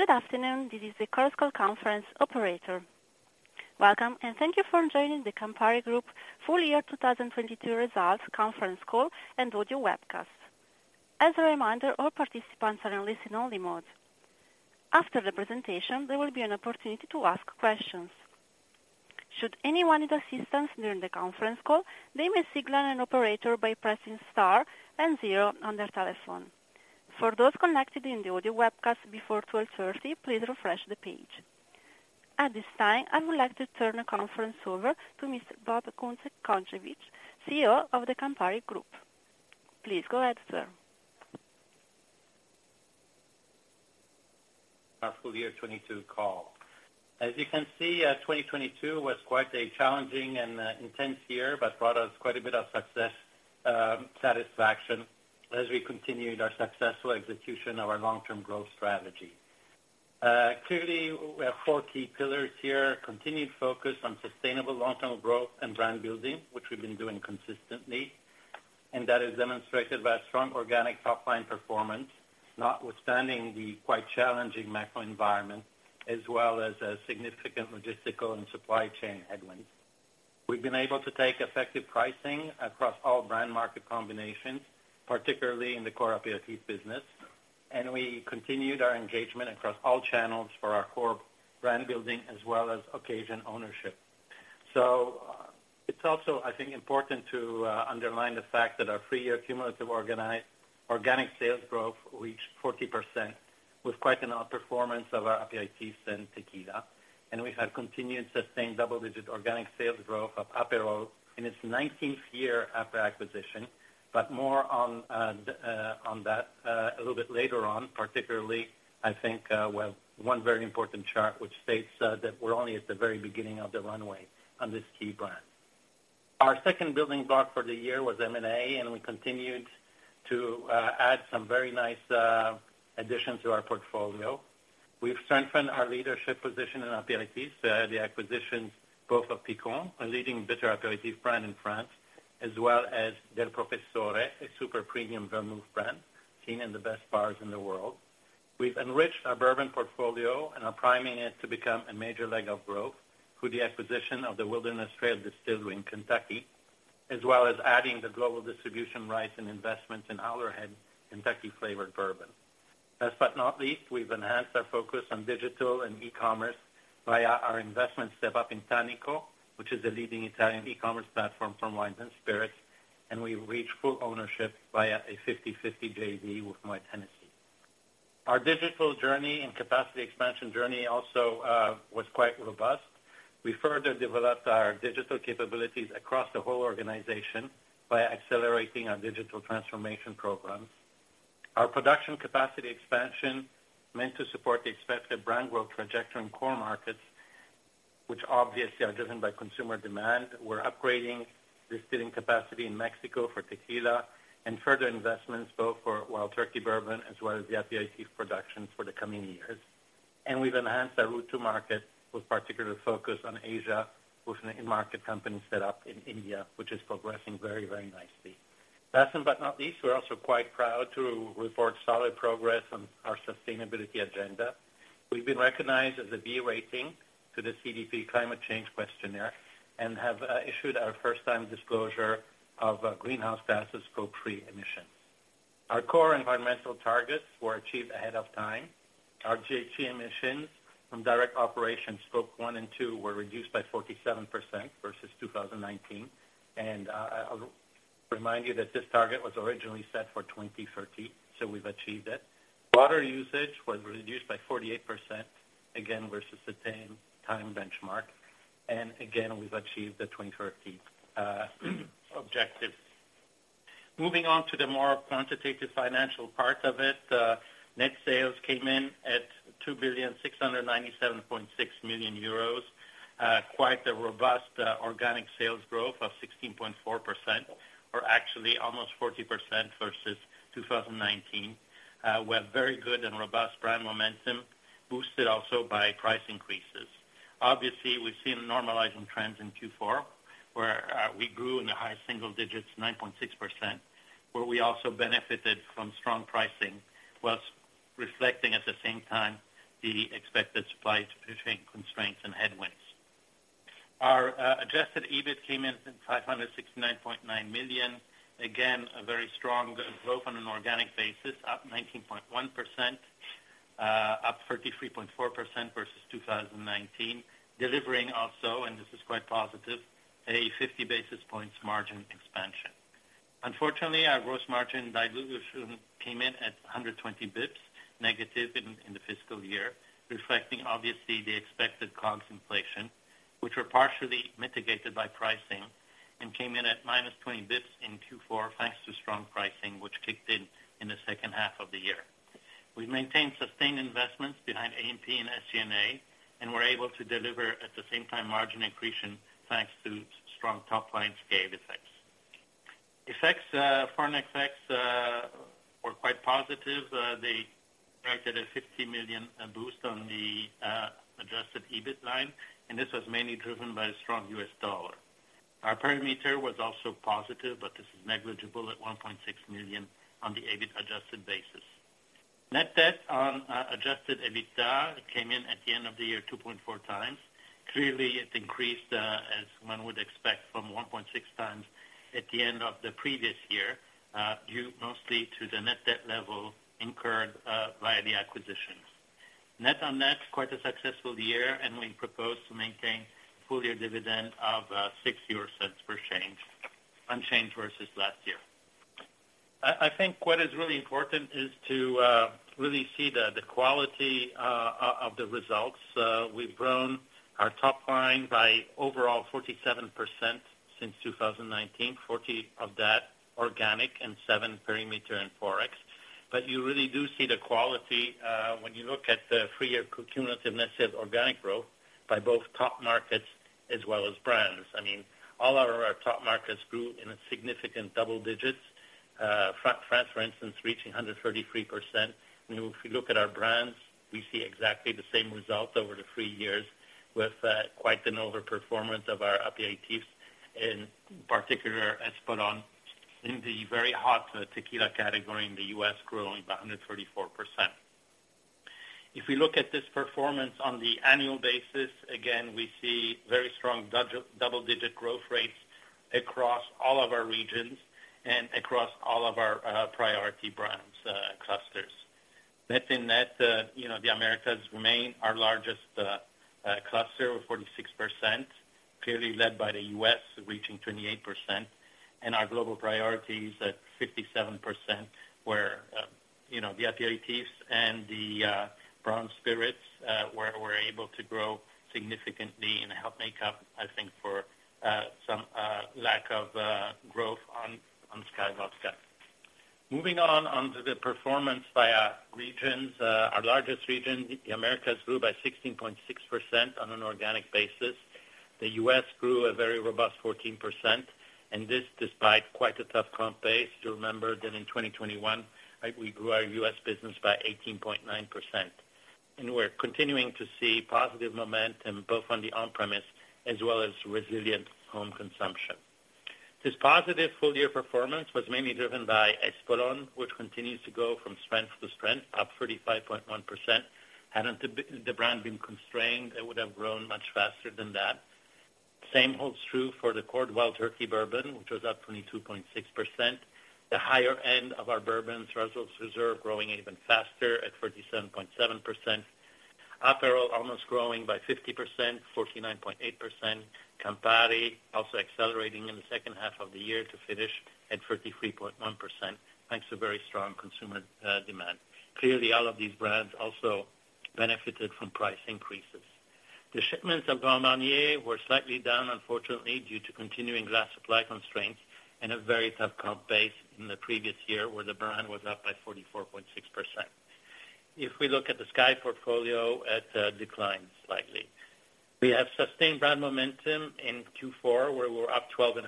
Good afternoon. This is the Costco Call conference operator. Welcome, and thank you for joining the Campari Group full year 2022 results conference call and audio webcast. As a reminder, all participants are in listen only mode. After the presentation, there will be an opportunity to ask questions. Should anyone need assistance during the conference call, they may signal an operator by pressing star and zero on their telephone. For those connected in the audio webcast before 12:30, please refresh the page. At this time, I would like to turn the conference over to Mr. Bob Kunze-Concewitz, CEO of the Campari Group. Please go ahead, sir. Our full year 2022 call. As you can see, 2022 was quite a challenging and intense year, but brought us quite a bit of success, satisfaction as we continued our successful execution of our long-term growth strategy. Clearly we have four key pillars here. Continued focus on sustainable long-term growth and brand building, which we've been doing consistently. That is demonstrated by a strong organic top-line performance, notwithstanding the quite challenging macro environment, as well as significant logistical and supply chain headwinds. We've been able to take effective pricing across all brand market combinations, particularly in the core aperitif business. We continued our engagement across all channels for our core brand building as well as occasion ownership. It's also, I think, important to underline the fact that our 3-year cumulative organic sales growth reached 40% with quite an outperformance of our aperitifs and tequila. We have continued sustained double-digit organic sales growth of Aperol in its 19th year after acquisition, but more on that a little bit later on, particularly, I think, with one very important chart, which states that we're only at the very beginning of the runway on this key brand. Our second building block for the year was M&A. We continued to add some very nice additions to our portfolio. We've strengthened our leadership position in aperitifs, the acquisitions both of Picon, a leading bitter aperitif brand in France, as well as Del Professore, a super premium vermouth brand seen in the best bars in the world. We've enriched our bourbon portfolio and are priming it to become a major leg of growth through the acquisition of the Wilderness Trail Distillery in Kentucky, as well as adding the global distribution rights and investment in Howler Head Kentucky flavored bourbon. Last but not least, we've enhanced our focus on digital and e-commerce via our investment step-up in Tanico, which is a leading Italian e-commerce platform for wines and spirits, and we reach full ownership via a 50/50 JV with Moet Hennessy. Our digital journey and capacity expansion journey also was quite robust. We further developed our digital capabilities across the whole organization by accelerating our digital transformation programs. Our production capacity expansion meant to support the expected brand growth trajectory in core markets, which obviously are driven by consumer demand. We're upgrading distilling capacity in Mexico for tequila and further investments both for Wild Turkey Bourbon as well as the aperitif production for the coming years. We've enhanced our route to market with particular focus on Asia with an in-market company set up in India, which is progressing very, very nicely. Last but not least, we're also quite proud to report solid progress on our sustainability agenda. We've been recognized as a B rating to the CDP Climate Change questionnaire and have issued our first time disclosure of greenhouse gas Scope 3 emissions. Our core environmental targets were achieved ahead of time. Our GHG emissions from direct operations, Scope 1 and 2, were reduced by 47% versus 2019. I'll remind you that this target was originally set for 2030, so we've achieved it. Water usage was reduced by 48%, again versus the same time benchmark. Again, we've achieved the 2030 objective. Moving on to the more quantitative financial part of it, net sales came in at 2,697.6 million euros, quite a robust organic sales growth of 16.4%, or actually almost 40% versus 2019. We have very good and robust brand momentum, boosted also by price increases. Obviously, we've seen normalizing trends in Q4, where we grew in the high single digits, 9.6%, where we also benefited from strong pricing whilst reflecting at the same time the expected supply chain constraints and headwinds. Our adjusted EBIT came in at 569.9 million. A very strong growth on an organic basis, up 19.1%, up 33.4% versus 2019. Delivering also, and this is quite positive, a 50 basis points margin expansion. Unfortunately, our gross margin dilution came in at 120 basis points negative in the fiscal year, reflecting obviously the expected COGS inflation, which were partially mitigated by pricing and came in at -20 basis points in Q4, thanks to strong pricing which kicked in in the second half of the year. We've maintained sustained investments behind A&P and SG&A and we're able to deliver at the same time margin accretion thanks to strong top-line scale effects. Foreign effects were quite positive. They directed a 50 million boost on the EBIT line, and this was mainly driven by a strong U.S. dollar. Our parameter was also positive, this is negligible at 1.6 million on the EBIT adjusted basis. Net debt on adjusted EBITDA came in at the end of the year 2.4 times. Clearly, it increased, as one would expect, from 1.6 times at the end of the previous year, due mostly to the net debt level incurred via the acquisitions. Net on net, quite a successful year, and we propose to maintain full year dividend of 0.60 per change, unchanged versus last year. I think what is really important is to really see the quality of the results. We've grown our top line by overall 47% since 2019. 40 of that organic and seven perimeter in Forex. You really do see the quality when you look at the 3-year cumulative net sales organic growth by both top markets as well as brands. I mean, all our top markets grew in a significant double digits. France, for instance, reaching 133%. You know, if you look at our brands, we see exactly the same results over the three years with quite an over-performance of our aperitifs, in particular, Espolòn, in the very hot tequila category in the U.S., growing by 134%. If we look at this performance on the annual basis, again, we see very strong double-digit growth rates across all of our regions and across all of our priority brands clusters. Net in that, you know, the Americas remain our largest cluster with 46%, clearly led by the U.S., reaching 28%. Our global priorities at 57%, where, you know, the aperitifs and the brown spirits, where we're able to grow significantly and help make up, I think, for some lack of growth on Skyy Vodka. Moving on onto the performance by our regions. Our largest region, the Americas, grew by 16.6% on an organic basis. The U.S. grew a very robust 14%, and this despite quite a tough comp base. You'll remember that in 2021, we grew our U.S. business by 18.9%. We're continuing to see positive momentum both on the on-premise as well as resilient home consumption. This positive full year performance was mainly driven by Espolòn, which continues to go from strength to strength, up 35.1%. Hadn't the brand been constrained, it would have grown much faster than that. Same holds true for the Wild Turkey Bourbon, which was up 22.6%. The higher end of our Bourbons, Russell's Reserve, growing even faster at 37.7%. Aperol almost growing by 50%, 49.8%. Campari also accelerating in the second half of the year to finish at 33.1%, thanks to very strong consumer demand. Clearly, all of these brands also benefited from price increases. The shipments of Grand Marnier were slightly down, unfortunately, due to continuing glass supply constraints and a very tough comp base in the previous year, where the brand was up by 44.6%. If we look at the SKYY portfolio, it declined slightly. We have sustained brand momentum in Q4, where we're up 12.5%,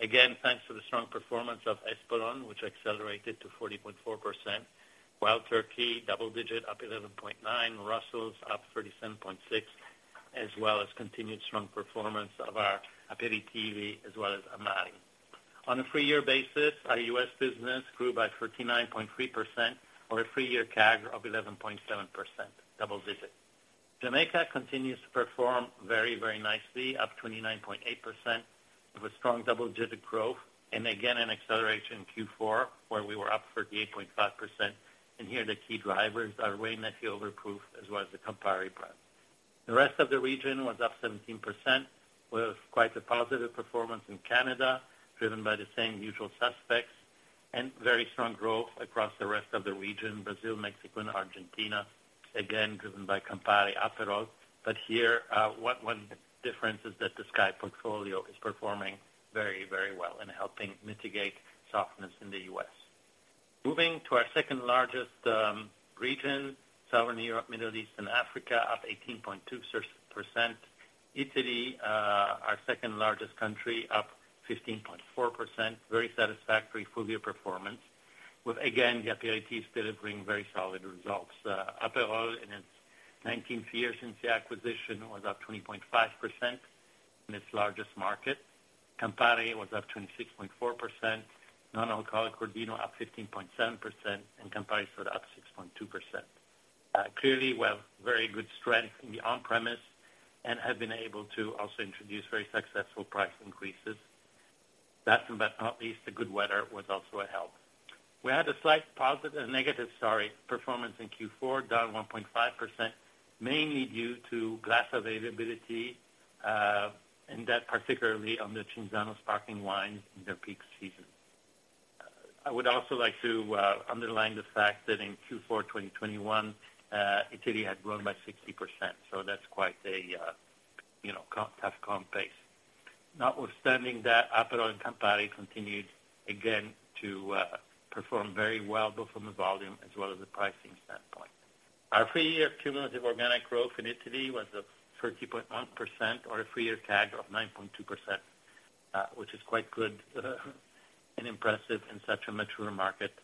again, thanks to the strong performance of Espolòn, which accelerated to 40.4%. Wild Turkey, double digit, up 11.9%. Russell's up 37.6%, as well as continued strong performance of our Aperitivi as well as Amari. On a three-year basis, our U.S. business grew by 39.3% or a three-year CAG of 11.7%, double digit. Jamaica continues to perform very nicely, up 29.8% with strong double-digit growth. Again, an acceleration in Q4, where we were up 38.5%. Here, the key drivers are Wray & Nephew Overproof as well as the Campari brand. The rest of the region was up 17%. We have quite a positive performance in Canada, driven by the same usual suspects, and very strong growth across the rest of the region, Brazil, Mexico, and Argentina, again, driven by Campari Aperol. Here, one difference is that the SKYY portfolio is performing very, very well in helping mitigate softness in the U.S. Moving to our second-largest region, Southern Europe, Middle East and Africa, up 18.2%. Italy, our second-largest country, up 15.4%. Very satisfactory full year performance with, again, the aperitifs delivering very solid results. Aperol, in its 19th year since the acquisition, was up 20.5% in its largest market. Campari was up 26.4%. Non-alcoholic Crodino up 15.7%, and Campari Soda up 6.2%. Clearly, we have very good strength in the on-premise and have been able to also introduce very successful price increases. That, but not least, the good weather was also a help. We had a slight positive-- negative, sorry, performance in Q4, down 1.5%, mainly due to glass availability, and that particularly on the Cinzano sparkling wine in their peak season. I would also like to underline the fact that in Q4 2021, Italy had grown by 60%, so that's quite a, you know, tough comp pace. Notwithstanding that, Aperol and Campari continued again to perform very well, both from the volume as well as the pricing standpoint. Our three-year cumulative organic growth in Italy was up 30.1% or a three-year CAG of 9.2%. which is quite good and impressive in such a mature market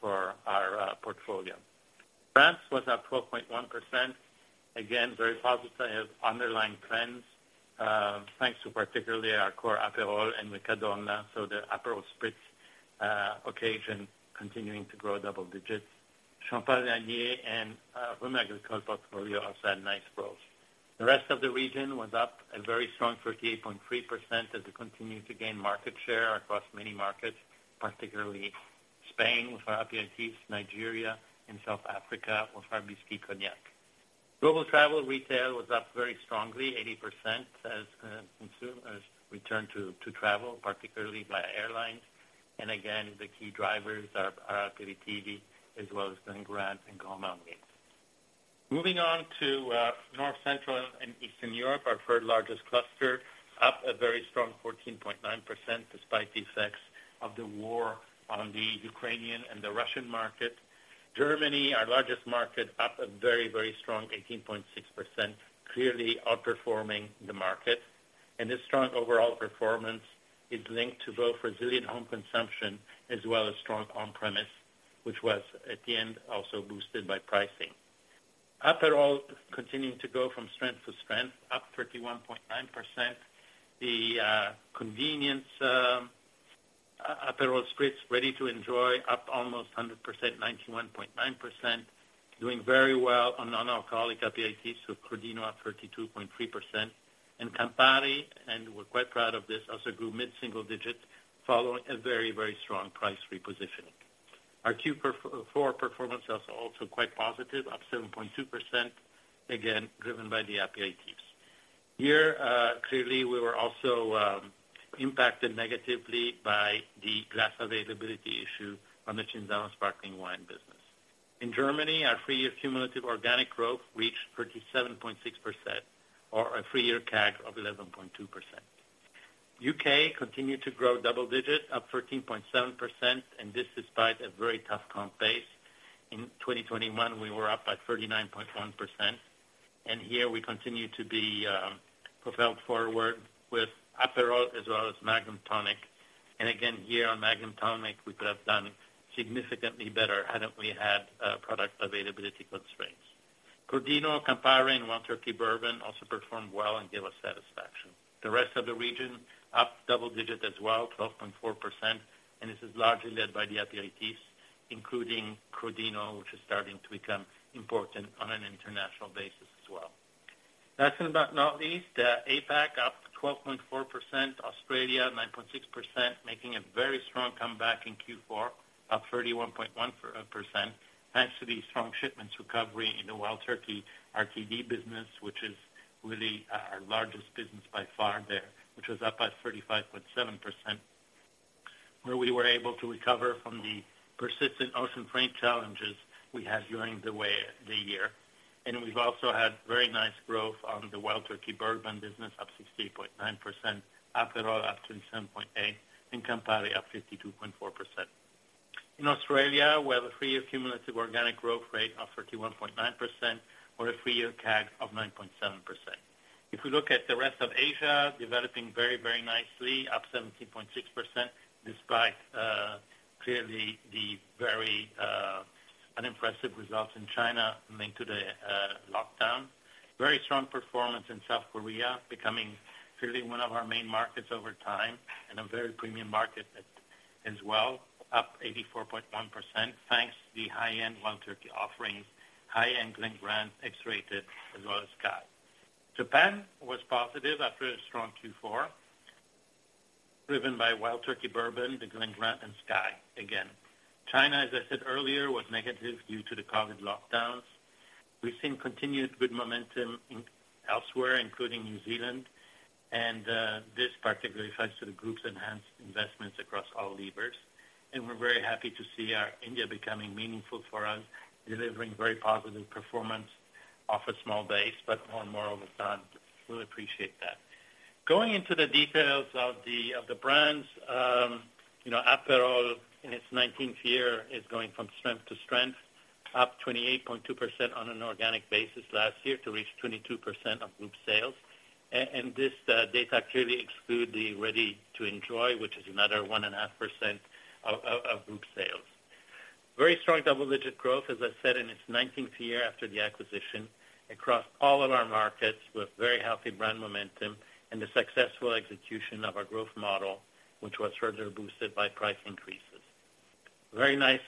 for our portfolio. France was at 12.1%. very positive underlying trends, thanks to particularly our core Aperol and Riccadonna. The Aperol Spritz occasion continuing to grow double digits. Champagne and Rhum Agricole portfolio also had nice growth. The rest of the region was up a very strong 38.3% as we continue to gain market share across many markets, particularly Spain with our aperitifs, Nigeria and South Africa with our whiskey cognac. Global travel retail was up very strongly 80% as consumers return to travel, particularly via airlines. Again, the key drivers are our Aperitivi as well as Glen Grant and Beaumont wines. Moving on to North Central and Eastern Europe, our third-largest cluster, up a very strong 14.9% despite the effects of the war on the Ukrainian and the Russian market. Germany, our largest market, up a very, very strong 18.6%, clearly outperforming the market. This strong overall performance is linked to both resilient home consumption as well as strong on-premise, which was at the end, also boosted by pricing. Aperol continuing to go from strength to strength, up 31.9%. The convenience Aperol spritz ready to enjoy up almost 100%, 91.9%. Doing very well on non-alcoholic aperitifs with Crodino at 32.3%. Campari, and we're quite proud of this, also grew mid-single digit following a very, very strong price repositioning. Our Q4 performance was also quite positive, up 7.2%, again, driven by the aperitifs. Here, clearly, we were also impacted negatively by the glass availability issue on the Cinzano sparkling wine business. In Germany, our three-year cumulative organic growth reached 37.6% or a three-year CAG of 11.2%. UK continued to grow double digit up 13.7%, and this despite a very tough comp base. In 2021, we were up by 39.1%, and here we continue to be propelled forward with Aperol as well as Magnum Tonic. Again, here on Magnum Tonic, we could have done significantly better had we had product availability constraints. Crodino, Campari, and Wild Turkey Bourbon also performed well and gave us satisfaction. The rest of the region, up double digit as well, 12.4%, and this is largely led by the aperitifs, including Crodino, which is starting to become important on an international basis as well. Last but not least, APAC up 12.4%, Australia 9.6%, making a very strong comeback in Q4, up 31.1%, thanks to the strong shipments recovery in the Wild Turkey RTD business, which is really our largest business by far there, which was up by 35.7%, where we were able to recover from the persistent ocean freight challenges we had during the year. We've also had very nice growth on the Wild Turkey Bourbon business, up 16.9%, Aperol up 27.8%, and Campari up 52.4%. In Australia, we have a 3-year cumulative organic growth rate of 31.9% or a 3-year CAG of 9.7%. We look at the rest of Asia, developing very, very nicely, up 17.6%, despite clearly the very unimpressive results in China linked to the lockdown. Very strong performance in South Korea, becoming clearly one of our main markets over time and a very premium market as well, up 84.1%, thanks to the high-end Wild Turkey offerings, high-end Glen Grant X-Rated, as well as SKYY. Japan was positive after a strong Q4, driven by Wild Turkey Bourbon, the Glen Grant, and SKYY again. China, as I said earlier, was negative due to the COVID lockdowns. We've seen continued good momentum elsewhere, including New Zealand. This particularly thanks to the group's enhanced investments across all levers. We're very happy to see our India becoming meaningful for us, delivering very positive performance off a small base, but more and more over time. Really appreciate that. Going into the details of the brands, you know, Aperol, in its nineteenth year, is going from strength to strength, up 28.2% on an organic basis last year to reach 22% of group sales. And this data clearly exclude the ready-to-enjoy, which is another 1.5% of group sales. Very strong double-digit growth, as I said, in its 19th year after the acquisition, across all of our markets with very healthy brand momentum and the successful execution of our growth model, which was further boosted by price increases. Very nice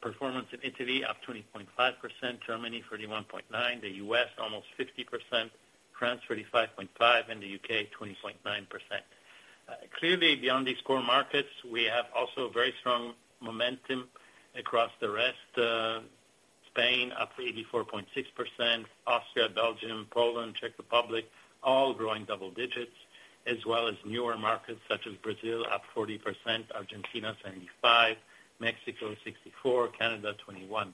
performance in Italy, up 20.5%, Germany 31.9%, the U.S. almost 50%, France 35.5%, and the U.K. 20.9%. Clearly, beyond these core markets, we have also very strong momentum across the rest. Spain up 84.6%, Austria, Belgium, Poland, Czech Republic, all growing double digits, as well as newer markets such as Brazil up 40%, Argentina 75%, Mexico 64%, Canada 21%,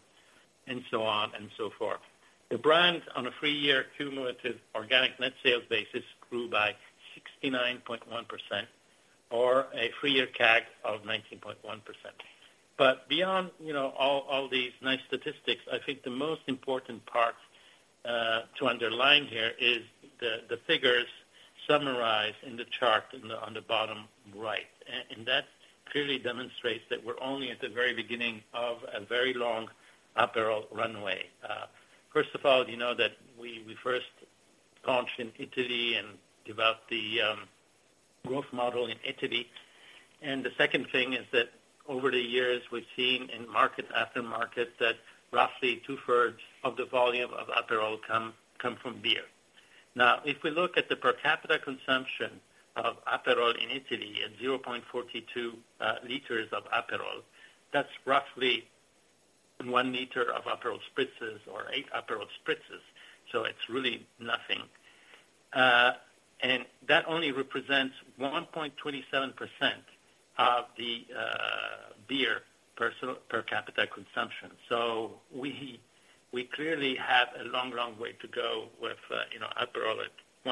and so on and so forth. The brands on a 3-year cumulative organic net sales basis grew by 69.1% or a 3-year CAG of 19.1%. Beyond, all these nice statistics, I think the most important part to underline here is the figures summarized in the chart on the bottom right. That clearly demonstrates that we're only at the very beginning of a very long Aperol runway. First of all, you know that we first launched in Italy and developed the growth model in Italy. The second thing is that over the years, we've seen in market after market that roughly two-thirds of the volume of Aperol come from beer. Now, if we look at the per capita consumption of Aperol in Italy at 0.42 liters of Aperol, that's roughly 1 liter of Aperol Spritzes or 8 Aperol Spritzes, so it's really nothing. That only represents 1.27% of the beer per capita consumption. We clearly have a long, long way to go with, Aperol at 1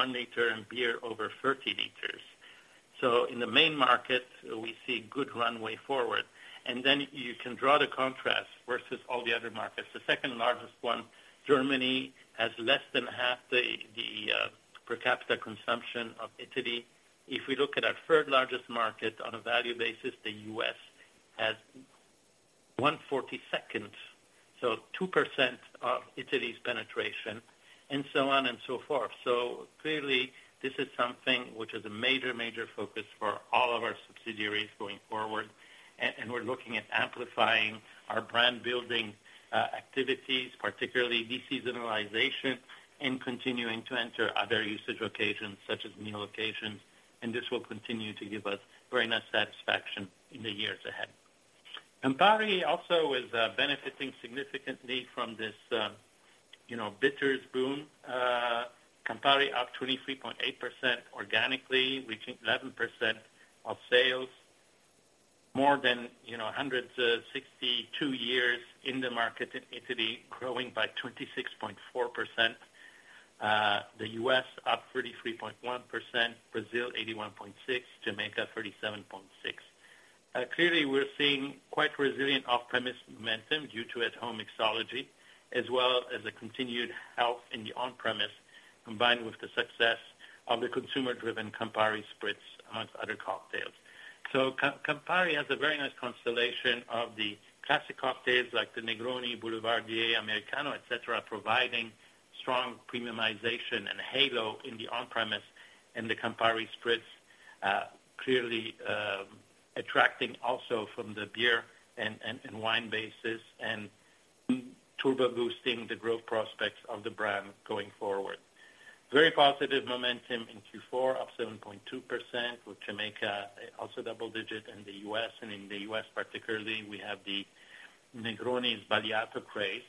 liter and beer over 30 liters. In the main market, we see good runway forward. You can draw the contrast versus all the other markets. The second-largest one, Germany, has less than half the per capita consumption of Italy. If we look at our third largest market on a value basis, the U.S. has 1/42, so 2% of Italy's penetration, and so on and so forth. Clearly, this is something which is a major focus for all of our subsidiaries going forward. We're looking at amplifying our brand-building activities, particularly de-seasonalization and continuing to enter other usage occasions, such as meal occasions. This will continue to give us very nice satisfaction in the years ahead. Campari also is benefiting significantly from this, you know, bitters boom. Campari up 23.8% organically, reaching 11% of sales. More than, you know, 162 years in the market in Italy, growing by 26.4%. The U.S. up 33.1%, Brazil 81.6%, Jamaica 37.6%. Clearly, we're seeing quite resilient off-premise momentum due to at-home mixology, as well as a continued health in the on-premise, combined with the success of the consumer-driven Campari Spritz and other cocktails. Campari has a very nice constellation of the classic cocktails like the Negroni, Boulevardier, Americano, et cetera, providing strong premiumization and halo in the on-premise, and the Campari Spritz, clearly, attracting also from the beer and wine bases and turbo boosting the growth prospects of the brand going forward. Very positive momentum in Q4, up 7.2%, with Jamaica also double-digit in the U.S. In the U.S. particularly, we have the Negroni Sbagliato craze.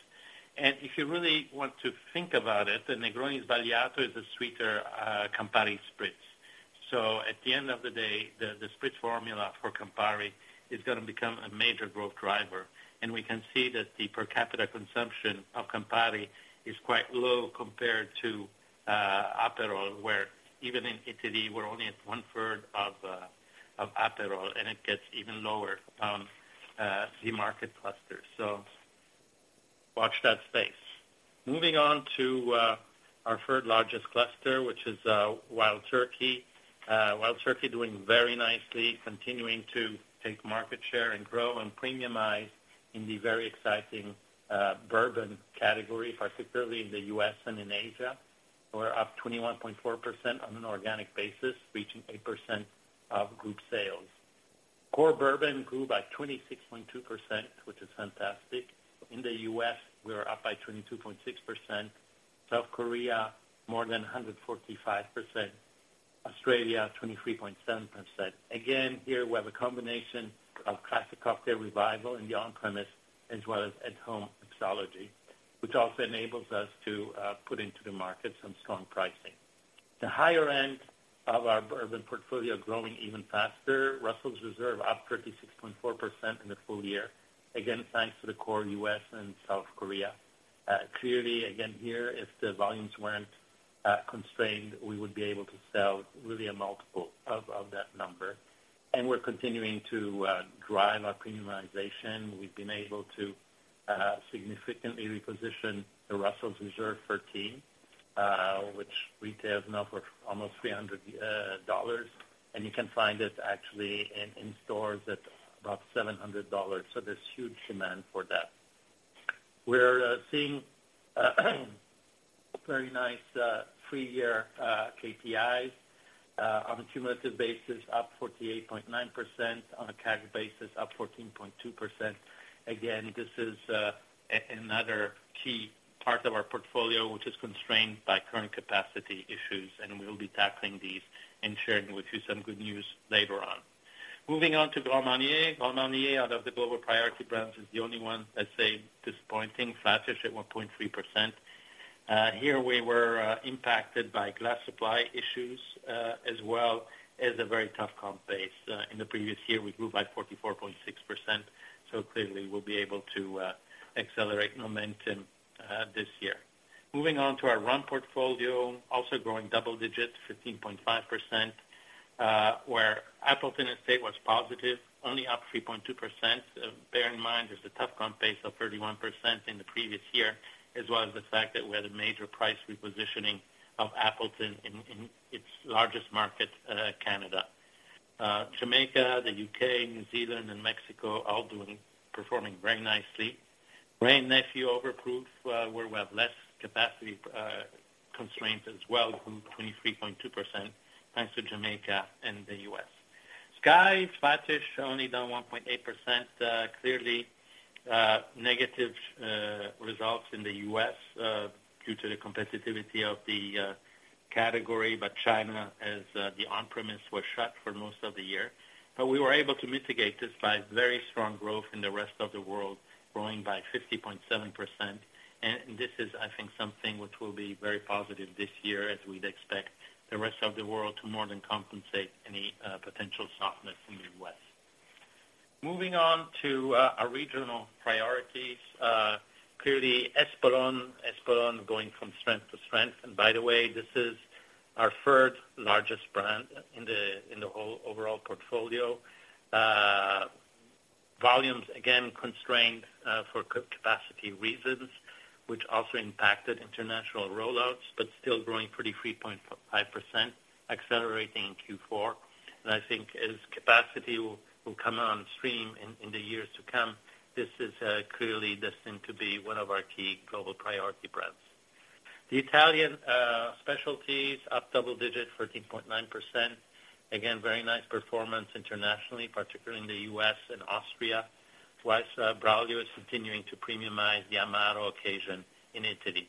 If you really want to think about it, the Negroni Sbagliato is a sweeter, Campari Spritz. At the end of the day, the Spritz formula for Campari is gonna become a major growth driver, and we can see that the per capita consumption of Campari is quite low compared to Aperol, where even in Italy, we're only at one-third of Aperol, and it gets even lower on the market cluster. Watch that space. Our third largest cluster, which is Wild Turkey. Wild Turkey doing very nicely, continuing to take market share and grow and premiumize in the very exciting bourbon category, particularly in the U.S. and in Asia. We're up 21.4% on an organic basis, reaching 8% of group sales. Core bourbon grew by 26.2%, which is fantastic. In the U.S., we were up by 22.6%. South Korea, more than 145%. Australia, 23.7%. Here we have a combination of classic cocktail revival in the on-premise as well as at-home mixology, which also enables us to put into the market some strong pricing. The higher end of our bourbon portfolio growing even faster. Russell's Reserve up 36.4% in the full year. Thanks to the core U.S. and South Korea. Clearly, again, here, if the volumes weren't constrained, we would be able to sell really a multiple of that number. We're continuing to drive our premiumization. We've been able to significantly reposition the Russell's Reserve 13, which retails now for almost $300. You can find it actually in stores at about $700. There's huge demand for that. We're seeing very nice three-year KPIs on a cumulative basis, up 48.9%, on a cash basis, up 14.2%. Again, this is another key part of our portfolio, which is constrained by current capacity issues, and we'll be tackling these and sharing with you some good news later on. Moving on to Grand Marnier. Grand Marnier, out of the global priority brands, is the only one that's, say, disappointing, flattish at 1.3%. Here we were impacted by glass supply issues as well as a very tough comp base. In the previous year, we grew by 44.6%, so clearly, we'll be able to accelerate momentum this year. Moving on to our rum portfolio, also growing double digits, 15.5%. Where Appleton Estate was positive, only up 3.2%. Bear in mind, there's a tough comp base of 31% in the previous year, as well as the fact that we had a major price repositioning of Appleton in its largest market, Canada. Jamaica, the U.K., New Zealand and Mexico all performing very nicely. Gray Goose and Overproof, where we have less capacity constraints as well, grew 23.2% thanks to Jamaica and the U.S. SKYY, Smirnoff, only down 1.8%. Clearly, negative results in the U.S. due to the competitivity of the category. China as the on-premise was shut for most of the year. We were able to mitigate this by very strong growth in the rest of the world, growing by 50.7%. This is, I think, something which will be very positive this year as we'd expect the rest of the world to more than compensate any potential softness in the U.S.. Moving on to our regional priorities. Clearly Espolòn going from strength to strength. By the way, this is our third largest brand in the whole overall portfolio. Volumes again constrained for capacity reasons, which also impacted international rollouts, but still growing 33.5%, accelerating in Q4. I think as capacity will come on stream in the years to come, this is clearly destined to be one of our key global priority brands. The Italian specialties up double digits, 13.9%. Again, very nice performance internationally, particularly in the U.S. and Austria. Whilst Braulio is continuing to premiumize the Amaro occasion in Italy.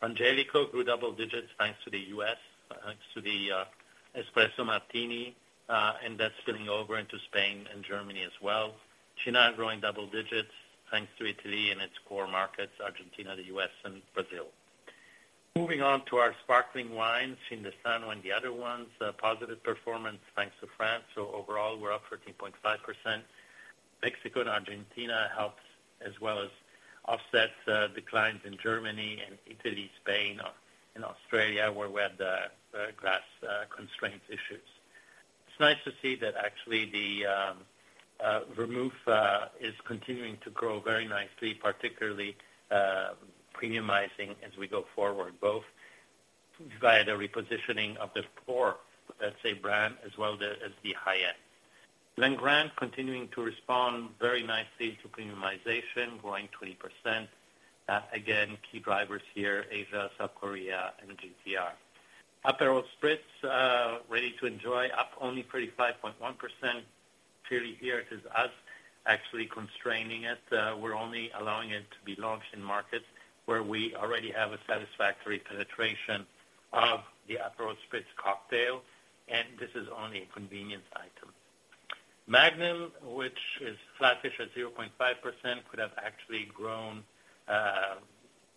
Frangelico grew double digits, thanks to the U.S., thanks to the Espresso Martini, and that's spilling over into Spain and Germany as well. Cynar growing double digits, thanks to Italy and its core markets, Argentina, the U.S. and Brazil. Moving on to our sparkling wines, Finestra and The Other Ones, a positive performance thanks to France. overall, we're up 13.5%. Mexico and Argentina helped as well as offset declines in Germany and Italy, Spain and Australia, where we had the grass constraint issues. It's nice to see that actually the Vermouth is continuing to grow very nicely, particularly premiumizing as we go forward, both via the repositioning of the core, let's say, brand, as well as the high end. Glen Grant continuing to respond very nicely to premiumization, growing 20%. Again, key drivers here, Asia, South Korea and the GTR. Aperol Spritz Ready to Enjoy, up only 35.1%. Clearly here it is us actually constraining it. We're only allowing it to be launched in markets where we already have a satisfactory penetration of the Aperol Spritz cocktail, and this is only a convenience item. Magnum, which is flattish at 0.5%, could have actually grown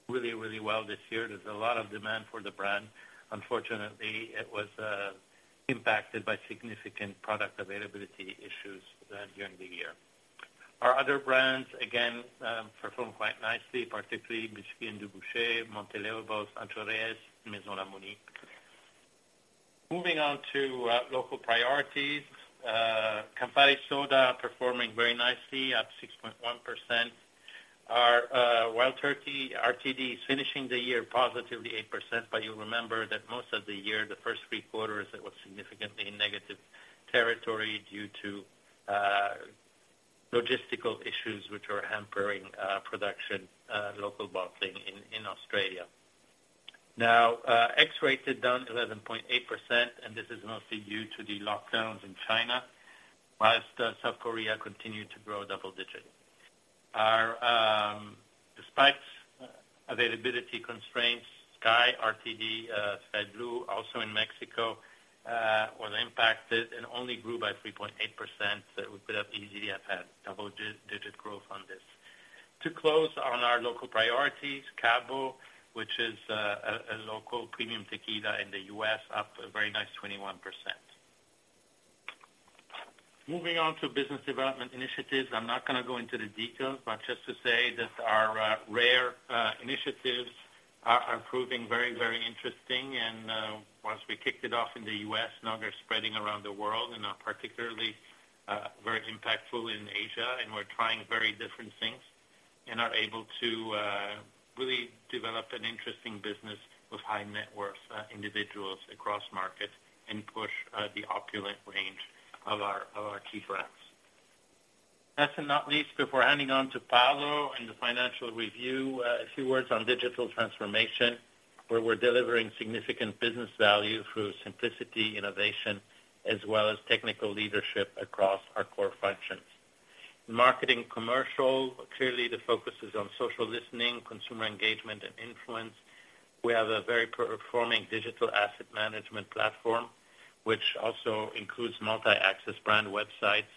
really, really well this year. There's a lot of demand for the brand. Unfortunately, it was impacted by significant product availability issues during the year. Our other brands, again, performed quite nicely, particularly Moussin Du Bouchet, Montelobos, Sant'Oreze, Maison La Mauny. Moving on to local priorities. Campari Soda performing very nicely at 6.1%. Our Wild Turkey RTDs finishing the year positively 8%. You'll remember that most of the year, the first three quarters, it was significantly in negative territory due to logistical issues which were hampering production, local bottling in Australia. Now, X-Rated down 11.8%, and this is mostly due to the lockdowns in China, whilst South Korea continued to grow double digits. Despite availability constraints, SKYY RTD, SKYY Blue, also in Mexico, was impacted and only grew by 3.8%. We could have easily have had double-digit growth on this. To close on our local priorities, Cabo, which is a local premium tequila in the U.S., up a very nice 21%. Moving on to business development initiatives. I'm not gonna go into the details, but just to say that our RARE initiatives are proving very, very interesting. Whilst we kicked it off in the U.S., now they're spreading around the world and are particularly very impactful in Asia. We're trying very different things and are able to really develop an interesting business with high net worth individuals across markets and push the Opulent range of our key brands. Last but not least, before handing on to Paolo and the financial review, a few words on digital transformation, where we're delivering significant business value through simplicity, innovation, as well as technical leadership across our core functions. In marketing commercial, clearly the focus is on social listening, consumer engagement and influence. We have a very performing digital asset management platform, which also includes multi-access brand websites,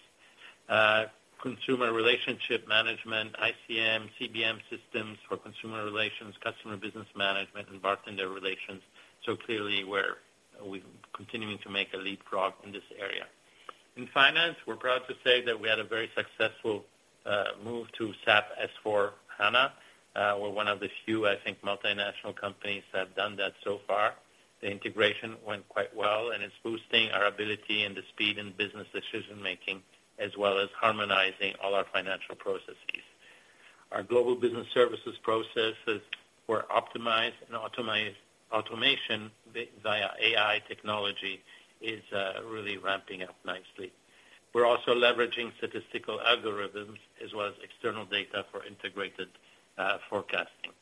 consumer relationship management, ICM, CBM systems for consumer relations, customer business management, and bartender relations. Clearly, we're continuing to make a leapfrog in this area. In finance, we're proud to say that we had a very successful move to SAP S/4HANA. We're one of the few, I think, multinational companies that have done that so far. The integration went quite well, and it's boosting our ability and the speed in business decision making, as well as harmonizing all our financial processes. Our global business services processes were optimized and automized automation via AI technology is really ramping up nicely. We're also leveraging statistical algorithms as well as external data for integrated forecasting.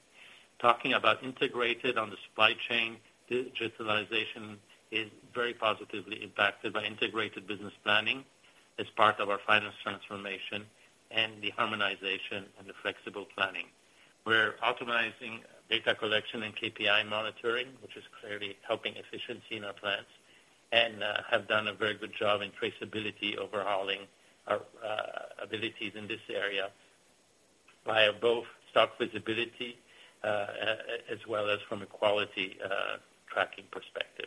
Talking about integrated on the supply chain, digitalization is very positively impacted by integrated business planning as part of our finance transformation and the harmonization and the flexible planning. We're optimizing data collection and KPI monitoring, which is clearly helping efficiency in our plans, and have done a very good job in traceability, overhauling our abilities in this area via both stock visibility, as well as from a quality tracking perspective.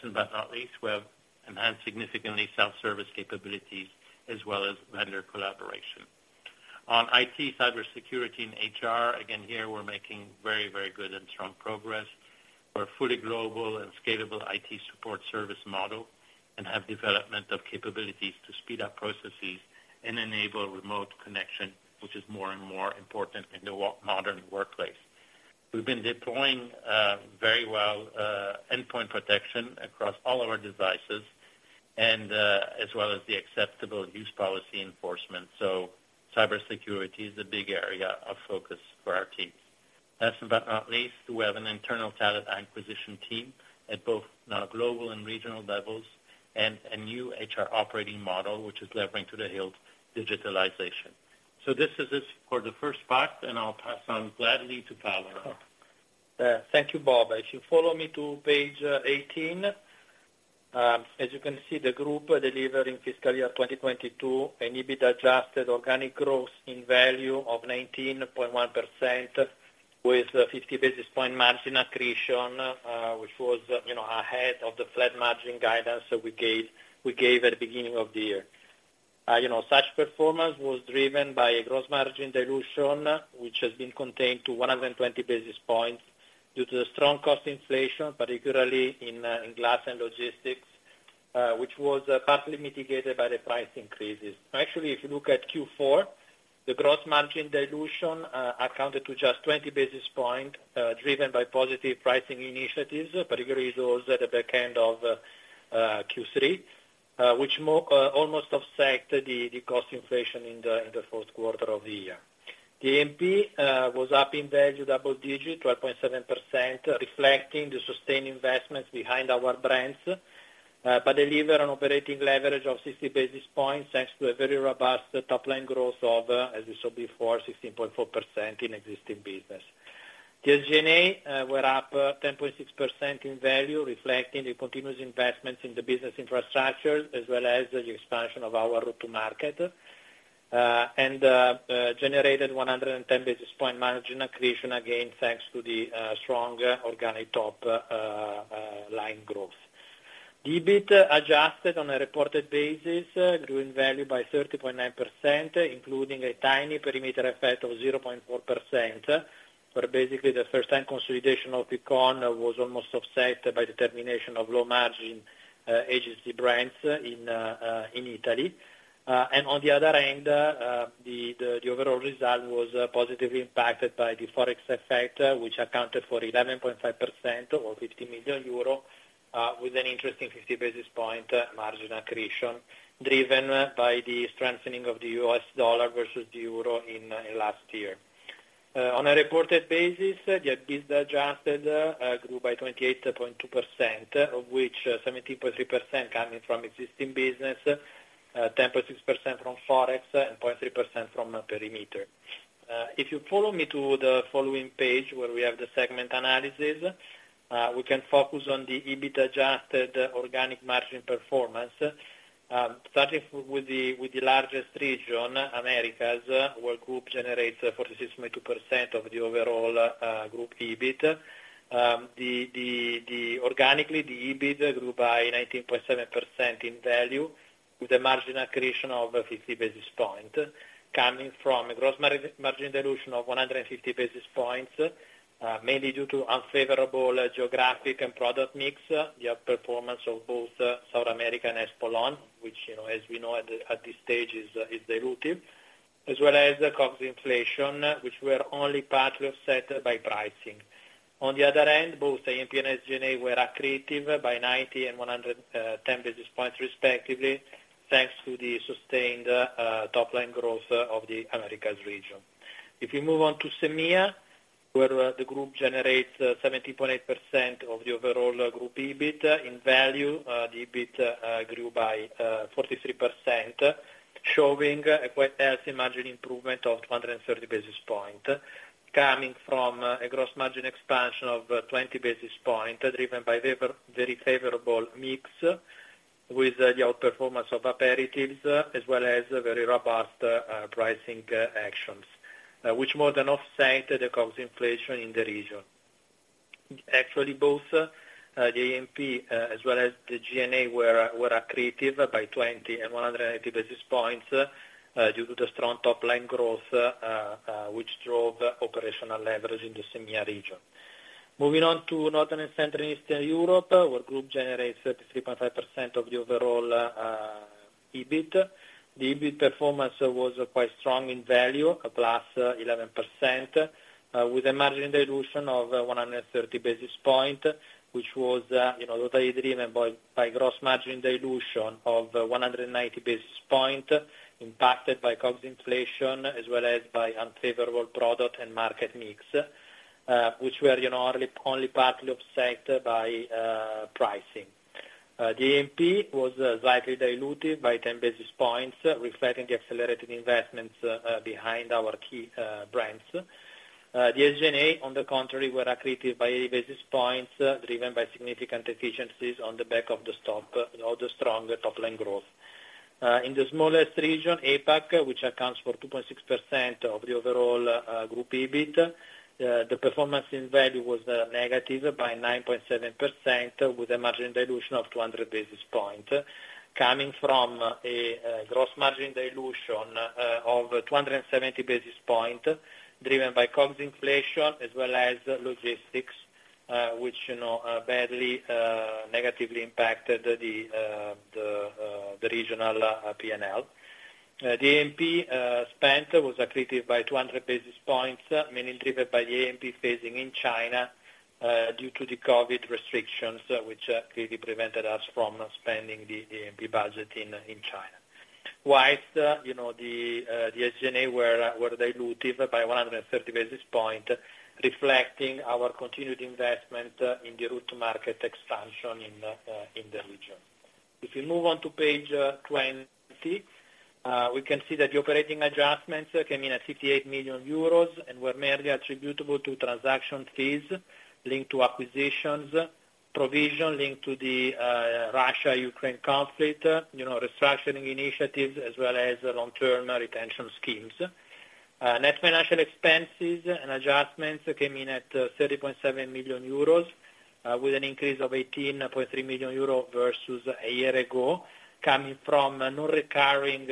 We have enhanced significantly self-service capabilities as well as vendor collaboration. On IT, cyber security and HR, again here we're making very, very good and strong progress. We're a fully global and scalable IT support service model and have development of capabilities to speed up processes and enable remote connection, which is more and more important in the modern workplace. We've been deploying very well endpoint protection across all our devices and as well as the acceptable use policy enforcement. Cyber security is a big area of focus for our team. We have an internal talent acquisition team at both now global and regional levels, and a new HR operating model, which is levering to the hilt digitalization. This is it for the first part, and I'll pass on gladly to Paolo. Thank you, Bob. If you follow me to page 18, as you can see, the group delivering fiscal year 2022 an EBIT adjusted organic growth in value of 19.1% with 50 basis point margin accretion, which was, you know, ahead of the flat margin guidance that we gave at the beginning of the year. You know, such performance was driven by a gross margin dilution, which has been contained to 120 basis points due to the strong cost inflation, particularly in glass and logistics, which was partly mitigated by the price increases. Actually, if you look at Q4, the gross margin dilution, accounted to just 20 basis points, driven by positive pricing initiatives, particularly those at the back end of Q3, which almost offset the cost inflation in the fourth quarter of the year. The MP was up in value double-digit, 12.7%, reflecting the sustained investments behind our brands, but deliver an operating leverage of 60 basis points, thanks to a very robust top-line growth of, as you saw before, 16.4% in existing business. The SG&A were up 10.6% in value, reflecting the continuous investments in the business infrastructure, as well as the expansion of our route to market, and generated 110 basis point margin accretion, again, thanks to the strong organic top line growth. EBIT adjusted on a reported basis, grew in value by 30.9%, including a tiny perimeter effect of 0.4%. Basically, the first time consolidation of Picon was almost offset by the termination of low margin agency brands in Italy. On the other end, the overall result was positively impacted by the Forex effect, which accounted for 11.5% or 50 million euro, with an interesting 50 basis point margin accretion, driven by the strengthening of the U.S. dollar versus the euro in last year. On a reported basis, the EBIT adjusted grew by 28.2%, of which 17.3% coming from existing business, 10.6% from Forex and 0.3% from perimeter. If you follow me to the following page where we have the segment analysis, we can focus on the EBIT adjusted organic margin performance. Starting with the largest region, Americas, where Group generates 46.2% of the overall Group EBIT. The organically, the EBIT grew by 19.7% in value with a margin accretion of 50 basis point coming from a gross margin dilution of 150 basis points, mainly due to unfavorable geographic and product mix, the outperformance of both South America and Poland, which, as we know at this stage is dilutive, as well as the cost inflation, which were only partly offset by pricing. On the other hand, both A&P and SG&A were accretive by 90 and 110 basis points respectively, thanks to the sustained top line growth of the Americas region. If you move on to EMEA, where the group generates 70.8% of the overall group EBIT in value, the EBIT grew by 43%, showing a quite healthy margin improvement of 230 basis points, coming from a gross margin expansion of 20 basis points, driven by very favorable mix with the outperformance of aperitifs as well as very robust pricing actions, which more than offset the cost inflation in the region. Actually both the A&P as well as the G&A were accretive by 20 and 180 basis points, due to the strong top line growth, which drove operational leverage in the CEE region. Moving on to Northern and Central Eastern Europe, where group generates 33.5% of the overall EBIT. The EBIT performance was quite strong in value, a +11%, with a margin dilution of 130 basis points, which was, you know, driven by gross margin dilution of 190 basis points impacted by COGS inflation, as well as by unfavorable product and market mix, which were, you know, partly offset by pricing. The A&P was slightly diluted by 10 basis points, reflecting the accelerated investments behind our key brands. The SG&A, on the contrary, were accretive by 8 basis points, driven by significant efficiencies on the back of the stock, you know, the strong top line growth. In the smallest region, APAC, which accounts for 2.6% of the overall group EBIT, the performance in value was negative by 9.7%, with a margin dilution of 200 basis points, coming from a gross margin dilution of 270 basis points, driven by COGS inflation as well as logistics, which, you know, badly negatively impacted the regional P&L. The A&P spend was accretive by 200 basis points, mainly driven by the A&P phasing in China, due to the COVID restrictions, which really prevented us from spending the A&P budget in China. You know, the SG&A were dilutive by 130 basis points, reflecting our continued investment in the route to market expansion in the region. If we move on to page 20, we can see that the operating adjustments came in at 58 million euros and were mainly attributable to transaction fees linked to acquisitions, provision linked to the Russia-Ukraine conflict, you know, restructuring initiatives as well as long-term retention schemes. Net financial expenses and adjustments came in at 30.7 million euros, with an increase of 18.3 million euro versus a year ago, coming from non-recurring,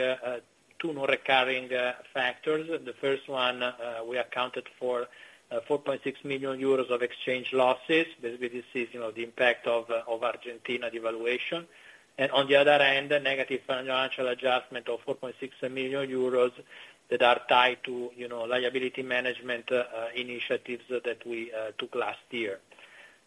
two non-recurring factors. The first one, we accounted for 4.6 million euros of exchange losses. Basically, this is, you know, the impact of Argentina devaluation. On the other hand, a negative financial adjustment of 4.6 million euros that are tied to, you know, liability management initiatives that we took last year.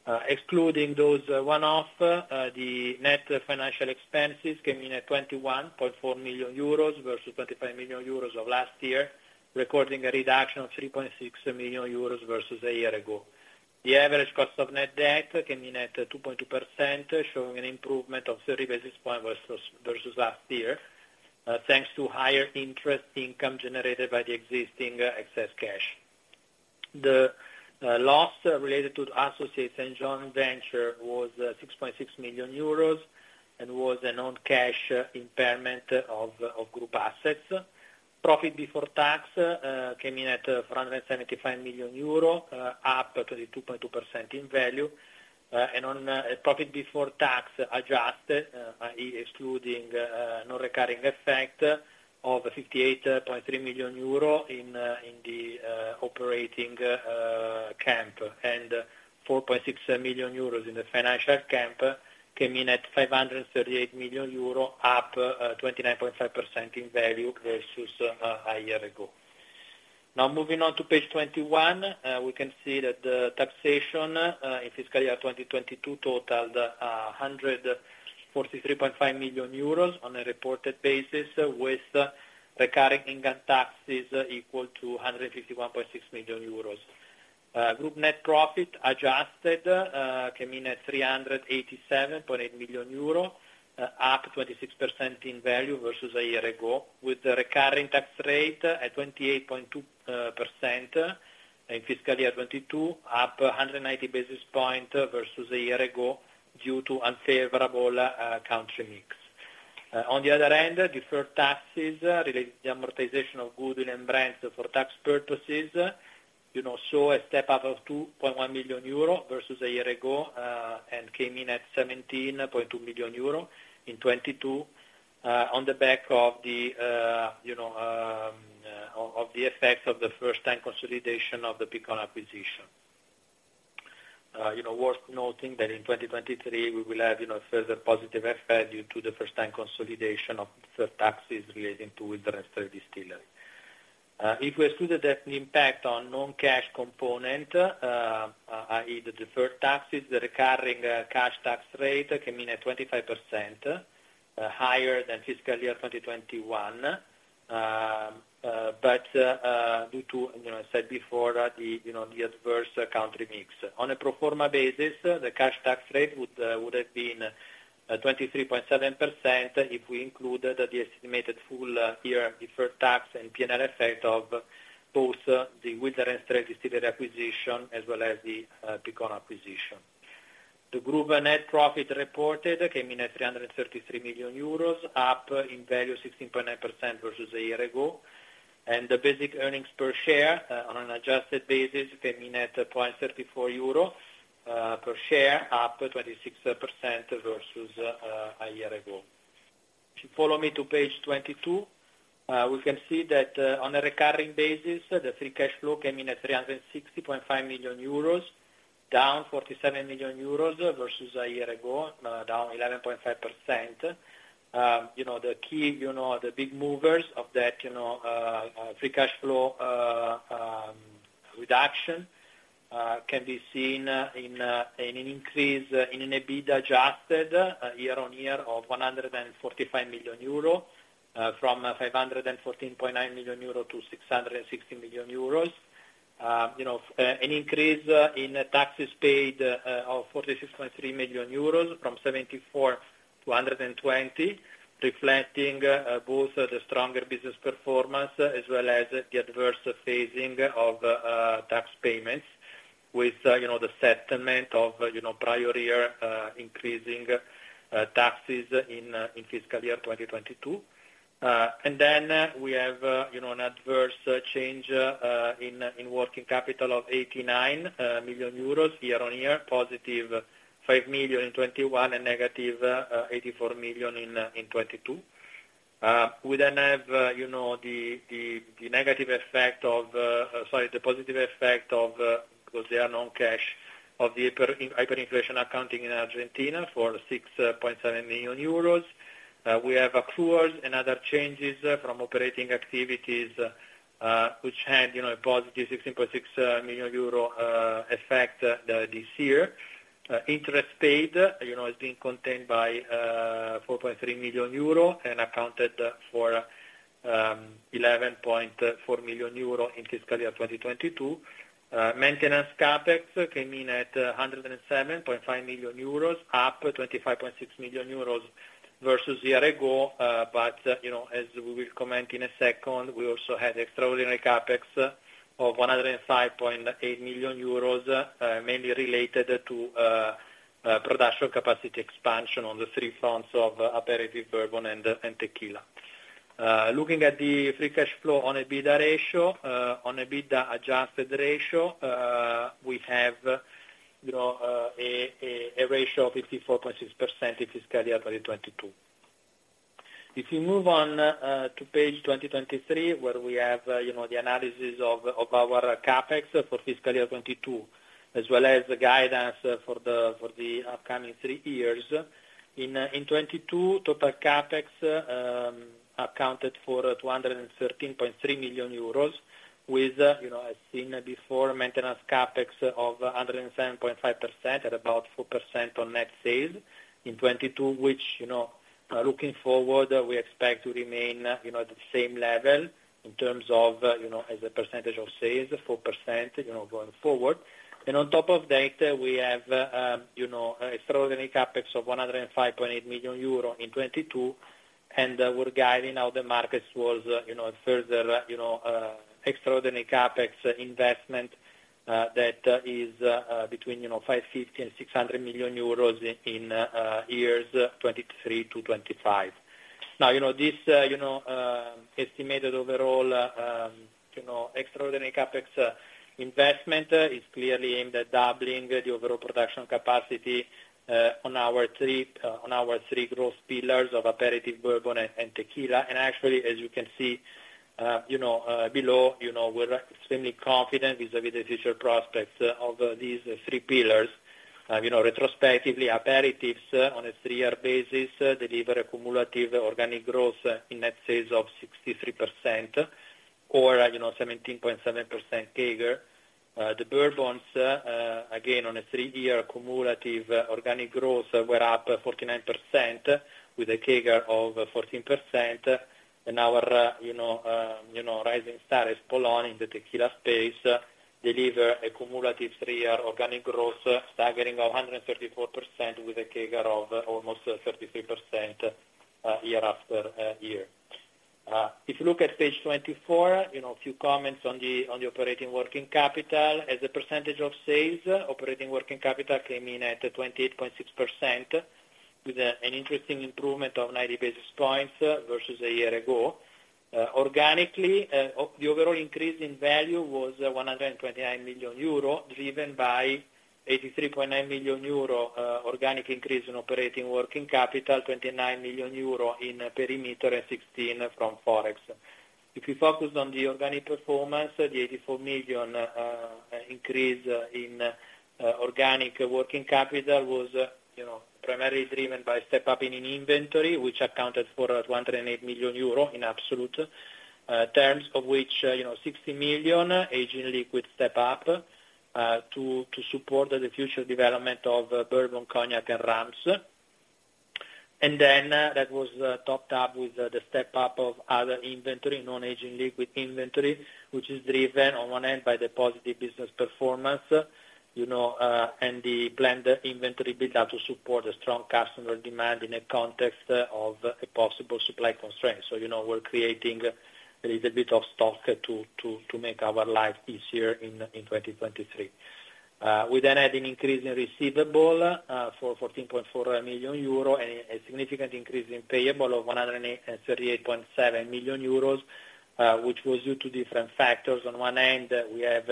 Excluding those one-off, the net financial expenses came in at 21.4 million euros versus 25 million euros of last year, recording a reduction of 3.6 million euros versus a year ago. The average cost of net debt came in at 2.2%, showing an improvement of 30 basis points versus last year, thanks to higher interest income generated by the existing excess cash. The loss related to associates and joint venture was 6.6 million euros and was a non-cash impairment of group assets. Profit before tax came in at 475 million euro, up 22.2% in value, and on a profit before tax adjusted, i.e., excluding non-recurring effect of 58.3 million euro in the operating camp and 4.6 million euros in the financial camp, came in at 538 million euro, up 29.5% in value versus a year ago. Moving on to page 21, we can see that the taxation in fiscal year 2022 totaled 143.5 million euros on a reported basis, with recurring income taxes equal to 151.6 million euros. Group net profit adjusted came in at 387.8 million euro, up 26% in value versus a year ago, with the recurring tax rate at 28.2% in fiscal year 2022, up 190 basis point versus a year ago due to unfavorable country mix. On the other hand, deferred taxes related to the amortization of goodwill and brands for tax purposes, you know, show a step up of 2.1 million euro versus a year ago, and came in at 17.2 million euro in 2022, on the back of the, you know, of the effects of the first time consolidation of the Picon acquisition. Worth noting that in 2023 we will have, you know, a further positive effect due to the first time consolidation of deferred taxes relating to Wilderness Trail Distillery. If we exclude the impact on non-cash component, i.e., the deferred taxes, the recurring cash tax rate came in at 25%, higher than fiscal year 2021, but due to, you know, I said before the, you know, the adverse country mix. On a pro forma basis, the cash tax rate would have been 23.7% if we include the estimated full year deferred tax and P&L effect of both the Wilderness Trail Distillery acquisition as well as the Picon acquisition. The group net profit reported came in at 333 million euros, up in value 16.9% versus a year ago. The basic earnings per share on an adjusted basis came in at 0.34 euro per share, up 26% versus a year ago. If you follow me to page 22, we can see that on a recurring basis, the free cash flow came in at 360.5 million euros, down 47 million euros versus a year ago, down 11.5%. You know, the key, you know, the big movers of that, you know, free cash flow reduction can be seen in an increase in EBITDA adjusted year-on-year of 145 million euro, from 514.9 million euro to 660 million euros. You know, an increase in taxes paid of 46.3 million euros from 74 to 120, reflecting both the stronger business performance as well as the adverse phasing of tax payments with, you know, the settlement of, you know, prior year increasing taxes in fiscal year 2022. And then we have, you know, an adverse change in working capital of 89 million euros year-on-year, positive 5 million in 2021 and negative 84 million in 2022. We have, you know, the, the negative effect of, sorry, the positive effect of, because they are non-cash of the hyperinflation accounting in Argentina for €6.7 million. We have accruals and other changes from operating activities, which had, you know, a positive €16.6 million effect this year. Interest paid, you know, is being contained by €4.3 million and accounted for €11.4 million in fiscal year 2022. Maintenance CapEx came in at €107.5 million, up €25.6 million versus a year ago. You know, as we will comment in a second, we also had extraordinary CapEx of €105.8 million, mainly related to production capacity expansion on the three fronts of Aperitif, Bourbon, and Tequila. Looking at the free cash flow on EBITDA ratio, on EBITDA adjusted ratio, we have, you know, a ratio of 54.6% in fiscal year 2022. If you move on to page 2023, where we have, you know, the analysis of our CapEx for fiscal year 2022, as well as the guidance for the upcoming three years. In 2022, total CapEx accounted for €213.3 million, with, you know, as seen before, maintenance CapEx of 107.5% at about 4% on net sales. In 2022, which, you know, looking forward, we expect to remain, you know, at the same level in terms of, you know, as a percentage of sales, 4%, you know, going forward. On top of that, we have, you know, extraordinary CapEx of 105.8 million euro in 2022. We're guiding how the markets was, you know, a further, you know, extraordinary CapEx investment, that is, between, you know, 550 million and 600 million euros in years 2023 to 2025. You know, this, you know, estimated overall, you know, extraordinary CapEx investment is clearly aimed at doubling the overall production capacity on our three growth pillars of Aperitif, Bourbon, and Tequila. Actually, as you can see, you know, below, you know, we're extremely confident with the future prospects of these three pillars. You know, retrospectively, Aperitifs on a three-year basis deliver a cumulative organic growth in net sales of 63% or, you know, 17.7% CAGR. The Bourbons, again, on a three-year cumulative organic growth were up 49% with a CAGR of 14%. Our, you know, rising star, Espolón, in the Tequila space, deliver a cumulative three-year organic growth staggering of 134% with a CAGR of almost 33% year after year. If you look at page 24, you know, a few comments on the operating working capital. As a percentage of sales, operating working capital came in at 28.6% with an interesting improvement of 90 basis points versus a year ago. Organically, the overall increase in value was €129 million, driven by €83.9 million organic increase in operating working capital, €29 million in perimeter, and €16 million from Forex. If you focus on the organic performance, the 84 million increase in organic working capital was, you know, primarily driven by step up in an inventory, which accounted for 108 million euro in absolute terms, of which, you know, 60 million aging liquid step up to support the future development of Bourbon, Cognac, and Rums. That was topped up with the step up of other inventory, non-aging liquid inventory, which is driven on one end by the positive business performance, you know, and the blended inventory build-out to support a strong customer demand in a context of a possible supply constraint. You know, we're creating. There is a bit of stock to make our life easier in 2023. We then had an increase in receivable for 14.4 million euro and a significant increase in payable of 138.7 million euros, which was due to different factors. On one end, we have,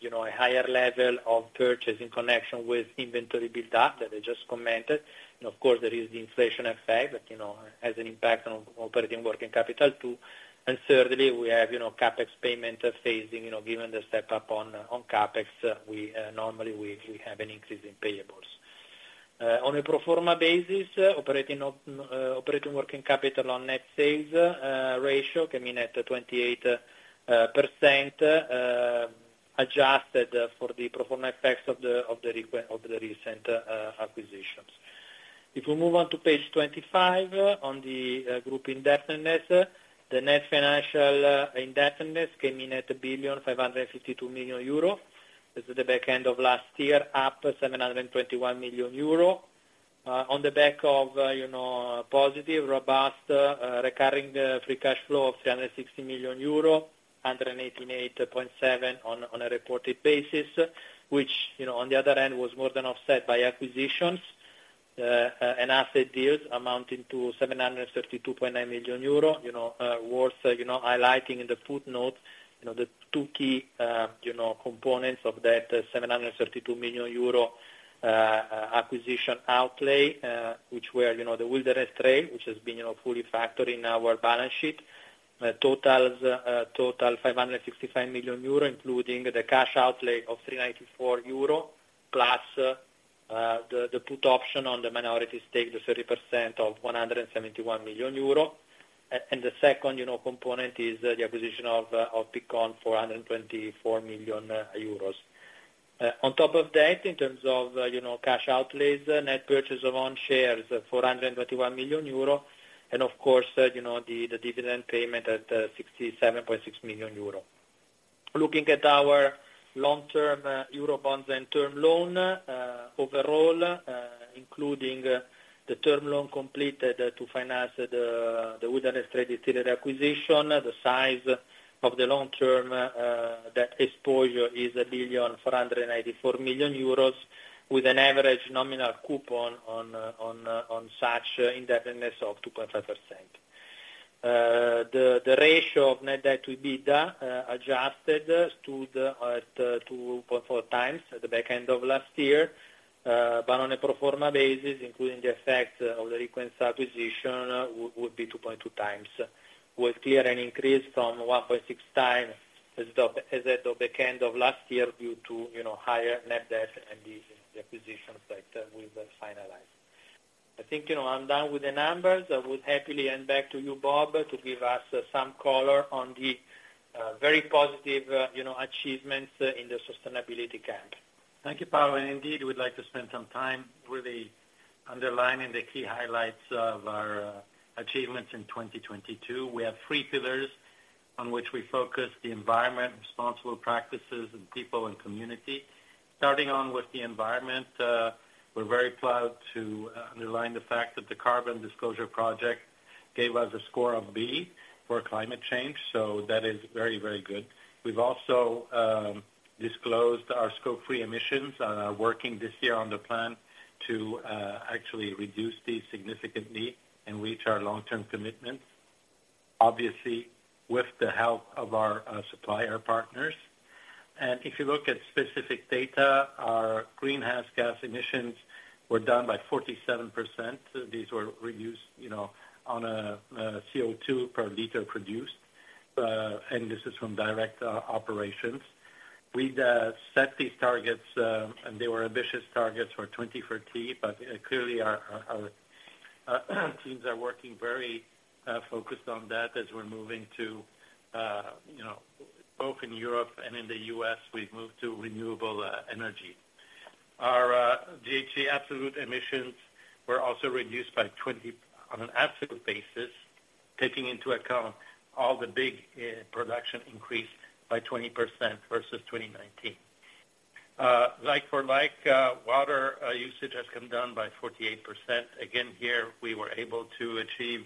you know, a higher level of purchase in connection with inventory build-up that I just commented. Of course, there is the inflation effect, you know, has an impact on operating working capital too. Thirdly, we have, you know, CapEx payment phasing. You know, given the step-up on CapEx, we normally have an increase in payables. On a pro forma basis, operating working capital on net sales ratio came in at 28%, adjusted for the pro forma effects of the recent acquisitions. We move on to page 25, on the group indebtedness, the net financial indebtedness came in at 1,552 million euro. This is the back end of last year, up 721 million euro, on the back of, you know, positive, robust, recurring, free cash flow of 360 million euro, 188.7 million on a reported basis, which, you know, on the other end, was more than offset by acquisitions and asset deals amounting to 732.9 million euro. You know, worth, you know, highlighting in the footnote, you know, the two key, you know, components of that 732 million euro acquisition outlay, which were, you know, the Wilderness Trail, which has been, you know, fully factored in our balance sheet. total 565 million euro, including the cash outlay of 394 euro, plus the put option on the minority stake, the 30% of 171 million euro. And the second, you know, component is the acquisition of Picon for 124 million euros. On top of that, in terms of, you know, cash outlays, net purchase of own shares, 421 million euro. Of course, you know, the dividend payment at 67.6 million euro. Looking at our long-term EUR bonds and term loan, overall, including the term loan completed to finance the Wilderness Trail Distillery acquisition, the size of the long-term exposure is 1.494 billion with an average nominal coupon on such indebtedness of 2.5%. The ratio of net debt to EBITDA adjusted stood at 2.4 times at the back end of last year. On a pro forma basis, including the effect of the recent acquisition would be 2.2 times with clear an increase from 1.6 times as at the back end of last year due to, you know, higher net debt and the acquisition sector we've finalized. I think, you know, I'm done with the numbers. I would happily hand back to you, Bob, to give us some color on the very positive, you know, achievements in the sustainability camp. Thank you, Paolo. Indeed, we'd like to spend some time really underlining the key highlights of our achievements in 2022. We have three pillars on which we focus: the environment, responsible practices, and people and community. Starting on with the environment, we're very proud to underline the fact that the Carbon Disclosure Project gave us a score of B for climate change. That is very, very good. We've also disclosed our Scope 3 emissions, working this year on the plan to actually reduce these significantly and reach our long-term commitments, obviously with the help of our supplier partners. If you look at specific data, our greenhouse gas emissions were down by 47%. These were reduced, you know, on a CO2 per liter produced, and this is from direct operations. We'd set these targets. They were ambitious targets for 2030, clearly our teams are working very focused on that as we're moving to, you know, both in Europe and in the U.S., we've moved to renewable energy. Our GHG absolute emissions were also reduced by 20 on an absolute basis, taking into account all the big production increase by 20% versus 2019. Like for like water usage has come down by 48%. Again, here we were able to achieve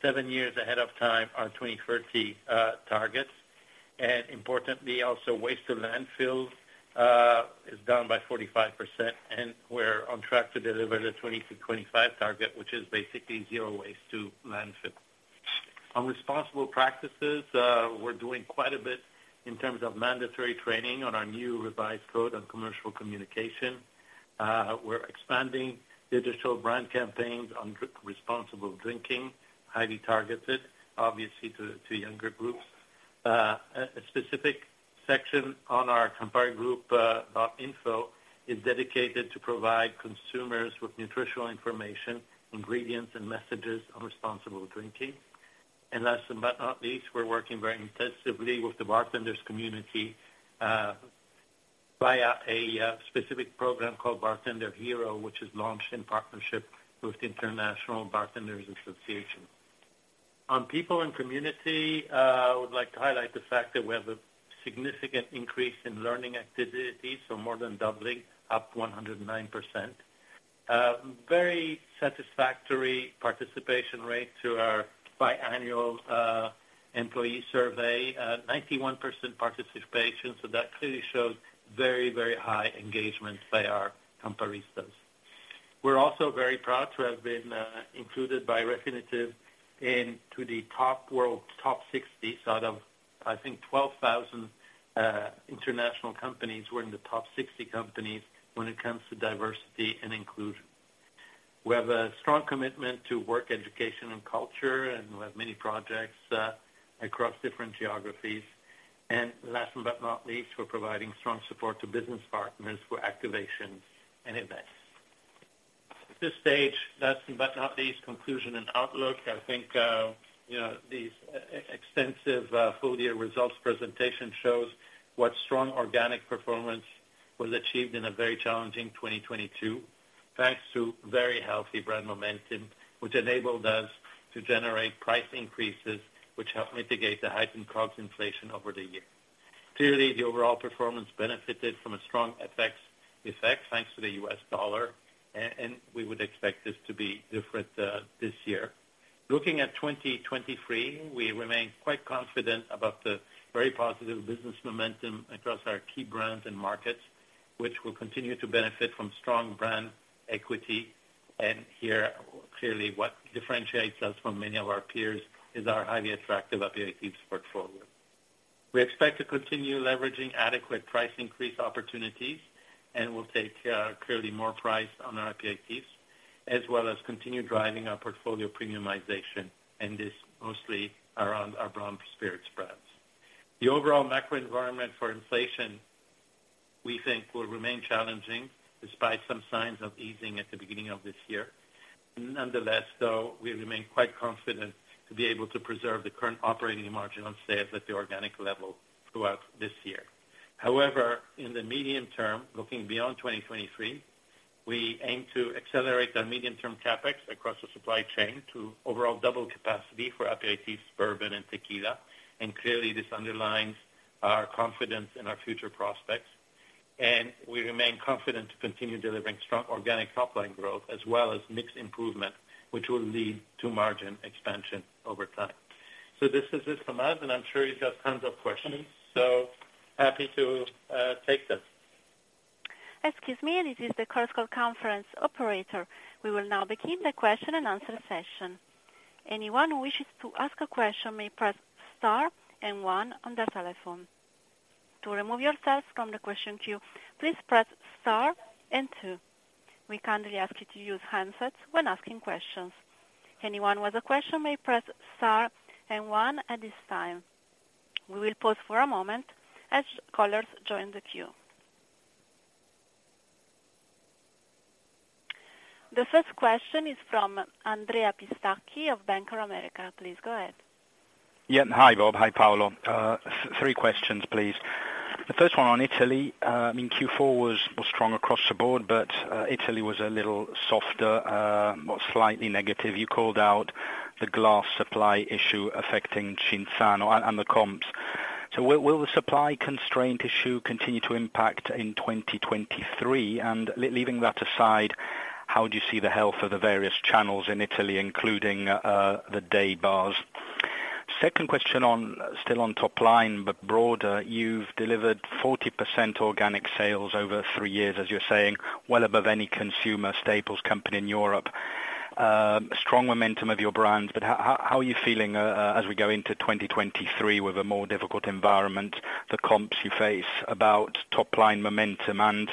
seven years ahead of time our 2030 targets. Importantly, also waste to landfills is down by 45%, and we're on track to deliver the 2025 target, which is basically 0 waste to landfill. On responsible practices, we're doing quite a bit in terms of mandatory training on our new revised code on commercial communication. We're expanding digital brand campaigns on responsible drinking, highly targeted, obviously, to younger groups. A specific section on our Campari Group about info is dedicated to provide consumers with nutritional information, ingredients, and messages on responsible drinking. Last but not least, we're working very intensively with the bartenders community via a specific program called Bartender Hero, which is launched in partnership with International Bartenders Association. On people and community, I would like to highlight the fact that we have a significant increase in learning activities, so more than doubling, up 109%. Very satisfactory participation rate to our biannual employee survey. 91% participation, that clearly shows very high engagement by our Campari staff. We're also very proud to have been included by Refinitiv into the top 60 out of, I think, 12,000 international companies. We're in the top 60 companies when it comes to diversity and inclusion. We have a strong commitment to work, education, and culture, we have many projects across different geographies. Last but not least, we're providing strong support to business partners for activations and events. At this stage, last but not least, conclusion and outlook. I think, you know, these extensive full-year results presentation shows what strong organic performance was achieved in a very challenging 2022, thanks to very healthy brand momentum, which enabled us to generate price increases, which helped mitigate the heightened COGS inflation over the year. Clearly, the overall performance benefited from a strong FX effect, thanks to the U.S. dollar, and we would expect this to be different this year. Looking at 2023, we remain quite confident about the very positive business momentum across our key brands and markets, which will continue to benefit from strong brand equity. Here, clearly, what differentiates us from many of our peers is our highly attractive aperitifs portfolio. We expect to continue leveraging adequate price increase opportunities, and we'll take clearly more price on our aperitifs, as well as continue driving our portfolio premiumization, and this mostly around our brown spirits brands. The overall macro environment for inflation, we think, will remain challenging despite some signs of easing at the beginning of this year. Nonetheless, though, we remain quite confident to be able to preserve the current operating margin on sales at the organic level throughout this year. However, in the medium term, looking beyond 2023, we aim to accelerate our medium-term CapEx across the supply chain to overall double capacity for aperitifs, bourbon, and tequila. Clearly, this underlines our confidence in our future prospects. We remain confident to continue delivering strong organic top line growth as well as mix improvement, which will lead to margin expansion over time. This is it from us, and I'm sure you've got tons of questions. Happy to take them. Excuse me, this is the Costco conference operator. We will now begin the question and answer session. Anyone who wishes to ask a question may press star and one on their telephone. To remove yourself from the question queue, please press star and two. We kindly ask you to use handsets when asking questions. Anyone with a question may press star and one at this time. We will pause for a moment as callers join the queue. The first question is from Andrea Pistacchi of Bank of America. Please go ahead. Yeah. Hi, Bob. Hi, Paolo. Three questions, please. The first one on Italy. I mean, Q4 was strong across the board, but Italy was a little softer, more slightly negative. You called out the glass supply issue affecting Cinzano and the comps. Will the supply constraint issue continue to impact in 2023? Leaving that aside, how do you see the health of the various channels in Italy, including the day bars? Second question on, still on top line but broader. You've delivered 40% organic sales over three years, as you're saying, well above any consumer staples company in Europe. Strong momentum of your brands, but how are you feeling as we go into 2023 with a more difficult environment, the comps you face about top line momentum and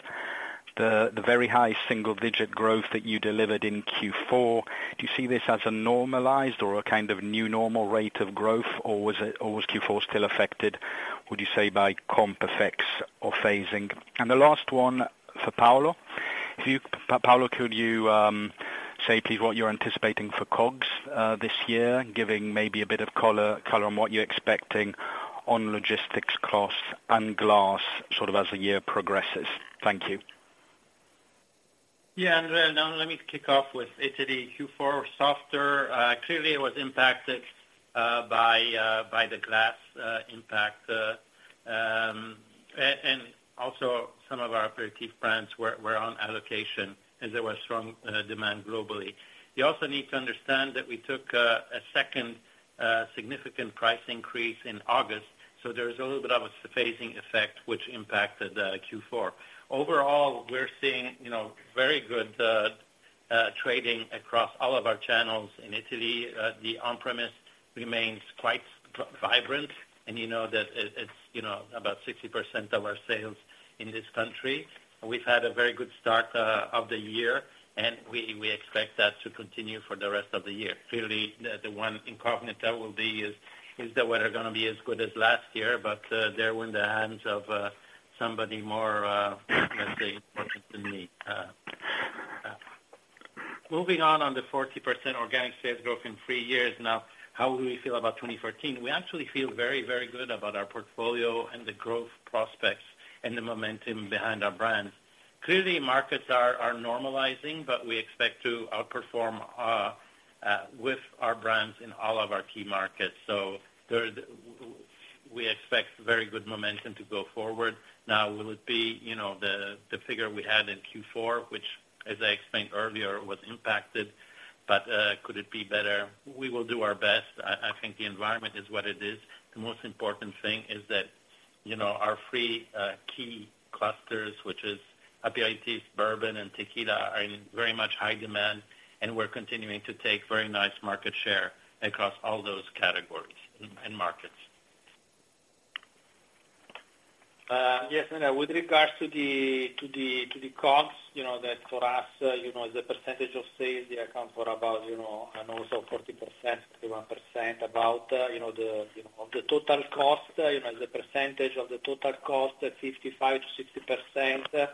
the very high single digit growth that you delivered in Q4? Do you see this as a normalized or a kind of new normal rate of growth, or was Q4 still affected, would you say, by comp effects or phasing? The last one for Paolo. If you, Paolo, could you say please what you're anticipating for COGS this year, giving maybe a bit of color on what you're expecting on logistics costs and glass sort of as the year progresses? Thank you. Andrea, now let me kick off with Italy Q4 softer. Clearly it was impacted by the glass impact. Also some of our aperitif brands were on allocation as there was strong demand globally. You also need to understand that we took a second significant price increase in August. There's a little bit of a phasing effect which impacted Q4. Overall, we're seeing, you know, very good trading across all of our channels in Italy. The on-premise remains quite vibrant, and you know that it's, you know, about 60% of our sales in this country. We've had a very good start of the year, and we expect that to continue for the rest of the year. Clearly, the one incognita will be is the weather gonna be as good as last year, but they're in the hands of somebody more, let's say, important than me. Moving on the 40% organic sales growth in three years now, how do we feel about 2014? We actually feel very, very good about our portfolio and the growth prospects and the momentum behind our brands. Clearly, markets are normalizing, but we expect to outperform with our brands in all of our key markets. We expect very good momentum to go forward. Will it be, you know, the figure we had in Q4, which as I explained earlier, was impacted, but could it be better? We will do our best. I think the environment is what it is. The most important thing is that, you know, our three key clusters, which is Aperitifs, Bourbon and Tequila, are in very much high demand, and we're continuing to take very nice market share across all those categories and markets. Yes, with regards to the costs, you know, that for us, you know, as a percentage of sales, they account for about, you know, and also 40%-1%, about, you know, the, you know, the total cost, you know, as a percentage of the total cost, 55%-60%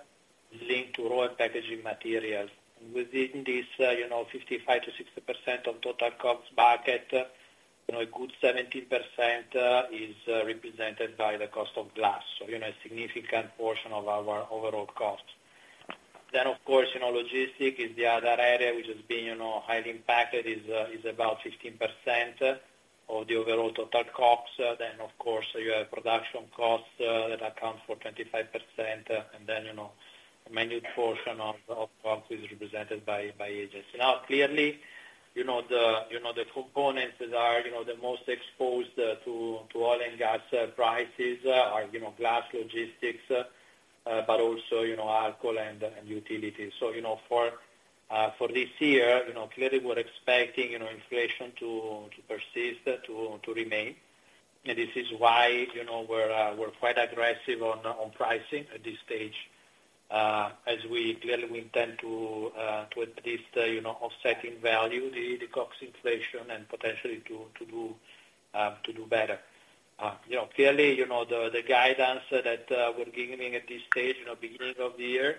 linked to raw packaging materials. Within this, you know, 55%-60% of total costs bucket, you know, a good 17% is represented by the cost of glass. You know, a significant portion of our overall cost. Of course, you know, logistic is the other area which has been, you know, highly impacted, is about 15% of the overall total costs. Of course, you have production costs that account for 25%. Then, you know, a minute portion of costs is represented by agency. Clearly, you know, the components that are, you know, the most exposed to oil and gas prices are, you know, glass logistics, but also, you know, alcohol and utilities. You know, for this year, you know, clearly we're expecting, you know, inflation to persist, to remain. This is why, you know, we're quite aggressive on pricing at this stage, as we clearly we intend to at least, you know, offsetting value the cost inflation and potentially to do better. You know, clearly, you know, the guidance that we're giving at this stage, you know, beginning of the year,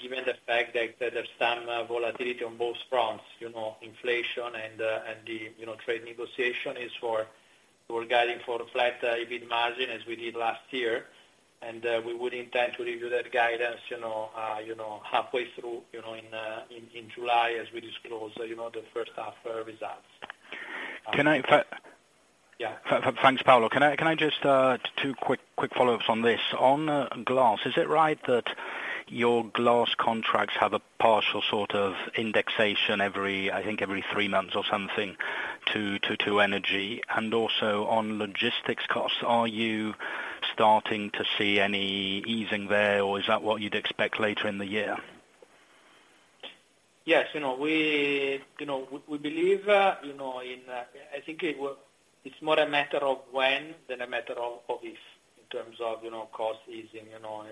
given the fact that there's some volatility on both fronts, you know, inflation and the, you know, trade negotiation. We're guiding for a flat EBIT margin as we did last year. We would intend to leave you that guidance, you know, halfway through, you know, in July as we disclose, you know, the first half results. Can I fa-? Yeah. Thanks, Paolo. Can I just two quick follow-ups on this. On glass, is it right that your glass contracts have a partial sort of indexation every, I think every three months or something to energy? Also on logistics costs, are you starting to see any easing there, or is that what you'd expect later in the year? Yes, you know we believe. I think it's more a matter of when than a matter of if, in terms of, you know, cost easing, you know.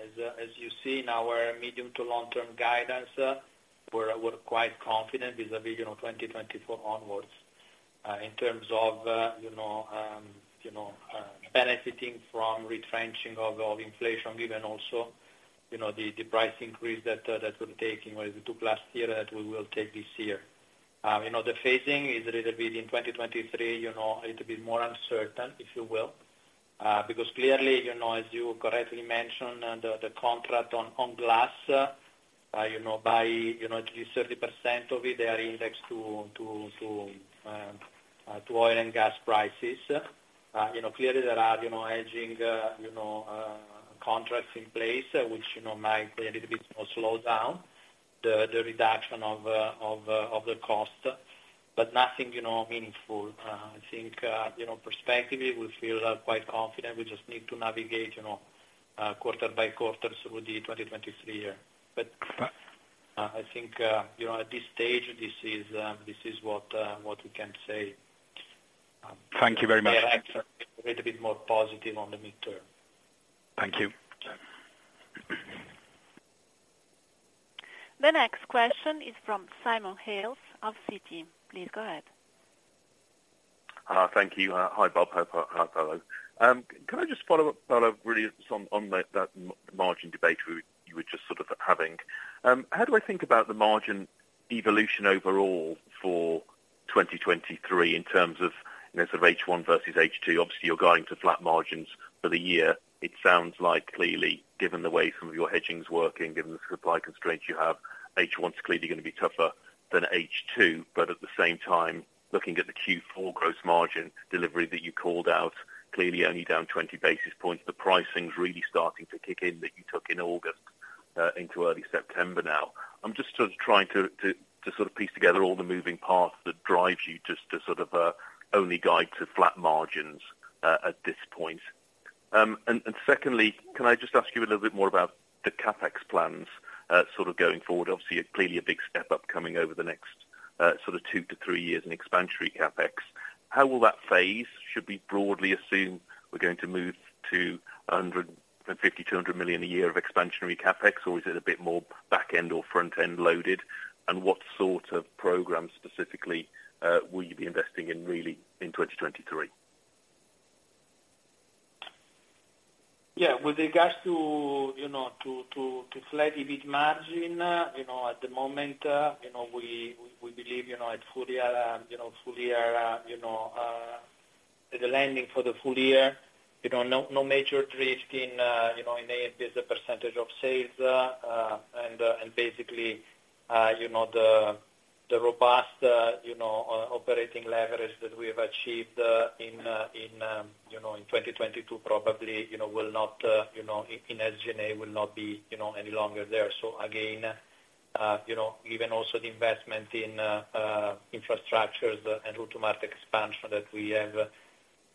As you see in our medium to long-term guidance, we're quite confident vis-à-vis, you know, 2024 onwards, in terms of, you know, benefiting from retrenching of inflation, given also, you know, the price increase that we're taking, what is it, took last year, that we will take this year. You know, the phasing is a little bit in 2023, you know, a little bit more uncertain, if you will. As you correctly mentioned, the contract on glass by, you know, at least 30% of it, they are indexed to, to oil and gas prices. You know, clearly there are, you know, hedging contracts in place which, you know, might be a little bit more slowed down, the reduction of the cost, but nothing, you know, meaningful. I think, you know, perspectively we feel quite confident. We just need to navigate, you know, quarter by quarter through the 2023 year. I think, you know, at this stage, this is what we can say. Thank you very much. A little bit more positive on the midterm. Thank you. Sure. The next question is from Simon Hales of Citi. Please go ahead. Thank you. Hi, Bob. Hi, Paolo. Can I just follow up, Paolo, really on that margin debate we were just sort of having? How do I think about the margin evolution overall for 2023 in terms of, you know, sort of H1 versus H2? Obviously, you're guiding to flat margins for the year. It sounds like clearly, given the way some of your hedging's working, given the supply constraints you have, H1's clearly gonna be tougher than H2. At the same time, looking at the Q4 gross margin delivery that you called out, clearly only down 20 basis points. The pricing's really starting to kick in that you took in August into early September now. I'm just sort of trying to piece together all the moving parts that drives you just to sort of, only guide to flat margins, at this point. Secondly, can I just ask you a little bit more about the CapEx plans, sort of going forward? Obviously, clearly a big step up coming over the next, sort of 2-3 years in expansionary CapEx. How will that phase? Should we broadly assume we're going to move to 150 million-200 million a year of expansionary CapEx, or is it a bit more back end or front end loaded? What sort of programs specifically, will you be investing in really in 2023? Yeah. With regards to flat EBIT margin, you know, at the moment, you know, we believe, you know, at full year, you know, full year, you know, the landing for the full year, you know, no major drift in, you know, in the, as a % of sales. Basically, you know, the The robust, you know, operating leverage that we have achieved in, you know, in 2022 probably, you know, will not, you know, in SG&A will not be, you know, any longer there. Again, you know, given also the investment in infrastructures and automatic expansion that we have,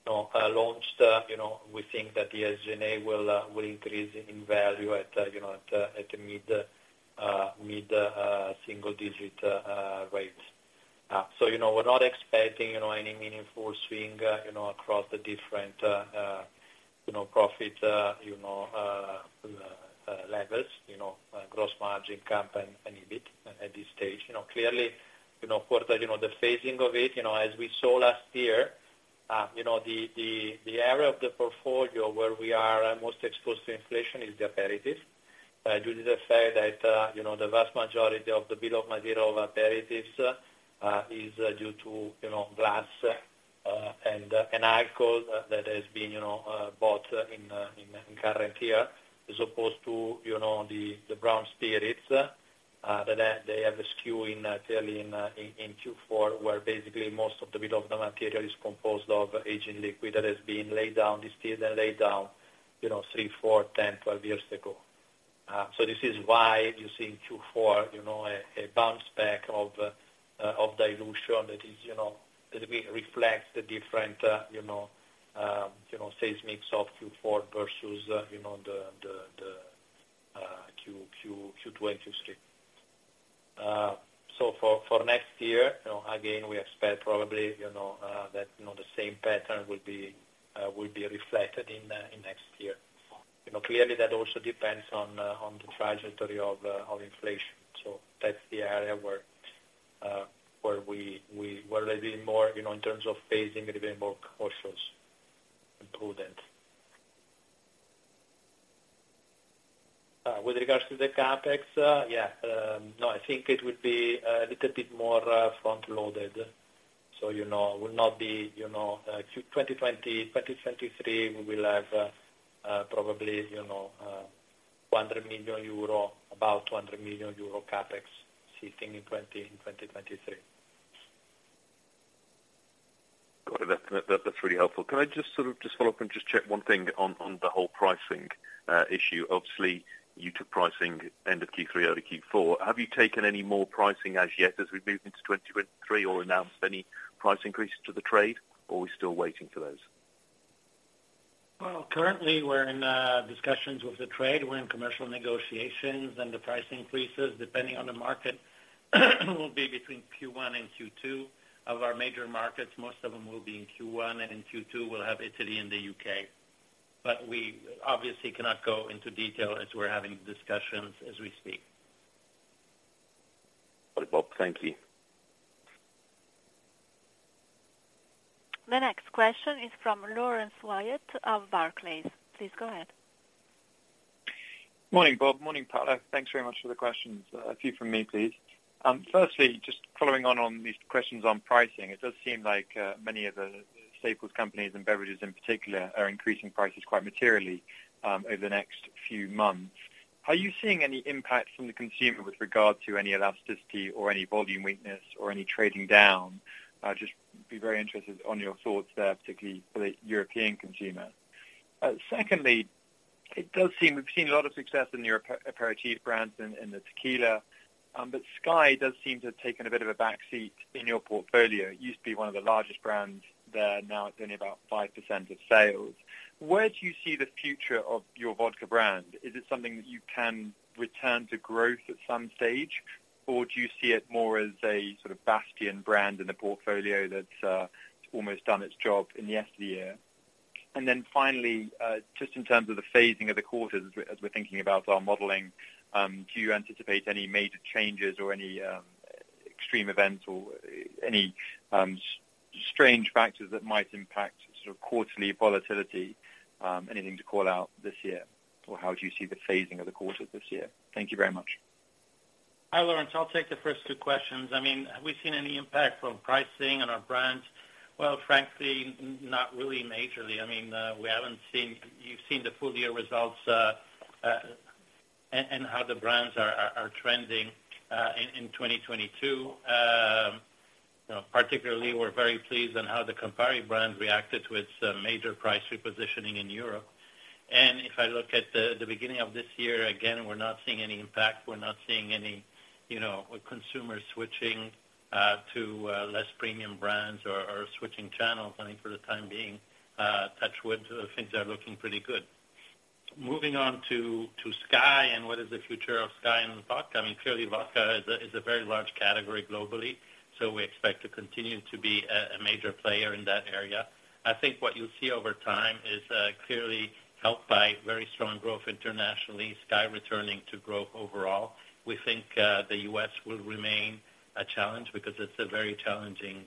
you know, launched, you know, we think that the SG&A will increase in value at, you know, at the mid-single-digit rates. You know, we're not expecting, you know, any meaningful swing, you know, across the different, you know, profit, you know, levels, you know, gross margin comp and EBIT at this stage. You know, clearly, you know, quarter, you know, the phasing of it, you know, as we saw last year, the area of the portfolio where we are most exposed to inflation is the aperitifs. Due to the fact that, you know, the vast majority of the bit of material of aperitifs is due to, you know, glass and alcohol that has been, you know, bought in current year, as opposed to, you know, the brown spirits that have a skew clearly in Q4, where basically most of the bit of the material is composed of aging liquid that has been laid down, distilled then laid down, you know, three, four, 10, 12 years ago. So this is why you see in Q4, you know, a bounce back of dilution that is, you know, that the reflect the different, you know, sales mix of Q4 versus the Q2 and Q3. So for next year, you know, again, we expect probably, you know, that the same pattern will be will be reflected in next year. You know, clearly that also depends on the trajectory of inflation. So that's the area where we're living more, you know, in terms of phasing, living more cautious and prudent. With regards to the CapEx, yeah. No, I think it would be a little bit more front loaded. It would not be, you know, 2023, we will have, probably, you know, 100 million euro, about 200 million euro CapEx sitting in 2023. Got it. That's really helpful. Can I just sort of just follow up and just check one thing on the whole pricing issue? Obviously, you took pricing end of Q3 out of Q4. Have you taken any more pricing as yet as we move into 2023 or announced any price increases to the trade or are we still waiting for those? Well, currently we're in discussions with the trade. We're in commercial negotiations. The price increases, depending on the market, will be between Q1 and Q2. Of our major markets, most of them will be in Q1. In Q2, we'll have Italy and the U.K. We obviously cannot go into detail as we're having discussions as we speak. All right, Bob. Thank you. The next question is from Laurence Whyatt of Barclays. Please go ahead. Morning, Bob. Morning, Paolo. Thanks very much for the questions. A few from me, please. Firstly, just following on these questions on pricing, it does seem like many of the staples companies and beverages in particular are increasing prices quite materially over the next few months. Are you seeing any impact from the consumer with regard to any elasticity or any volume weakness or any trading down? I'd just be very interested on your thoughts there, particularly for the European consumer. Secondly, it does seem we've seen a lot of success in your Aperitif brands and in the tequila, but SKYY does seem to have taken a bit of a back seat in your portfolio. It used to be one of the largest brands there. Now it's only about 5% of sales. Where do you see the future of your vodka brand? Is it something that you can return to growth at some stage? Do you see it more as a sort of bastion brand in the portfolio that's almost done its job in yesterday year? Finally, just in terms of the phasing of the quarters as we're thinking about our modeling, do you anticipate any major changes or any extreme events or any strange factors that might impact sort of quarterly volatility, anything to call out this year? How do you see the phasing of the quarters this year? Thank you very much. Hi, Laurence. I'll take the first two questions. I mean, have we seen any impact from pricing on our brands? Well, frankly, not really majorly. I mean, you've seen the full year results, and how the brands are trending in 2022. You know, particularly we're very pleased on how the Campari brands reacted to its major price repositioning in Europe. If I look at the beginning of this year, again, we're not seeing any impact. We're not seeing any, you know, consumers switching to less premium brands or switching channels. I mean, for the time being, touch wood, things are looking pretty good. Moving on to SKYY and what is the future of SKYY Vodka. I mean, clearly vodka is a very large category globally, so we expect to continue to be a major player in that area. I think what you'll see over time is clearly helped by very strong growth internationally, Skyy returning to growth overall. We think the U.S. will remain a challenge because it's a very challenging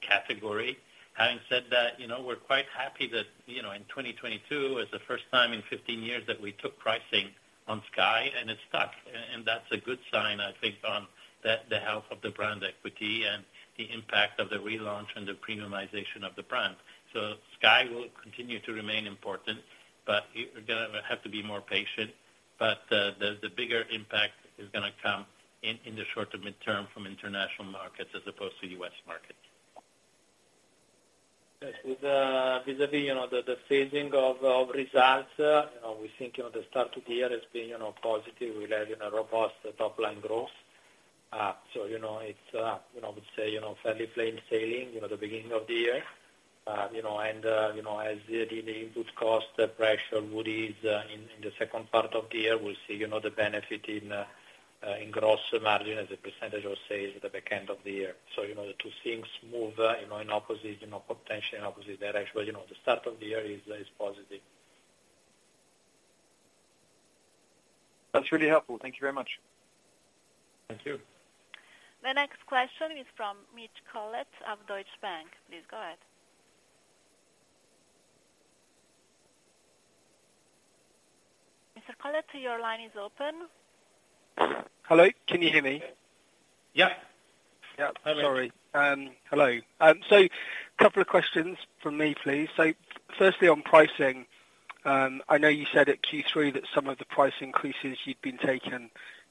category. Having said that, you know, we're quite happy that, you know, in 2022 is the first time in 15 years that we took pricing on Skyy and it stuck. That's a good sign, I think, on the health of the brand equity and the impact of the relaunch and the premiumization of the brand. Skyy will continue to remain important, but we're gonna have to be more patient. The, the bigger impact is gonna come in the short to mid term from international markets as opposed to U.S. market. Yes, with the, vis-a-vis, you know, the phasing of results, you know, we think, you know, the start to the year has been, you know, positive. We'll have, you know, robust top line growth. You know, it's, you know, I would say, you know, fairly plain sailing, you know, the beginning of the year. You know, as the input cost, the pressure would ease, in the second part of the year. We'll see, you know, the benefit in gross margin as a percentage of sales at the back end of the year. You know, the two things move, you know, in opposite, you know, potentially in opposite. They're actually, you know, the start of the year is positive. That's really helpful. Thank you very much. Thank you. The next question is from Mitchell Collett of Deutsche Bank. Please go ahead. Mr. Collet, your line is open. Hello, can you hear me? Yeah. Yeah. Hello. Sorry. Hello. Couple of questions from me, please. Firstly, on pricing, I know you said at Q3 that some of the price increases you'd been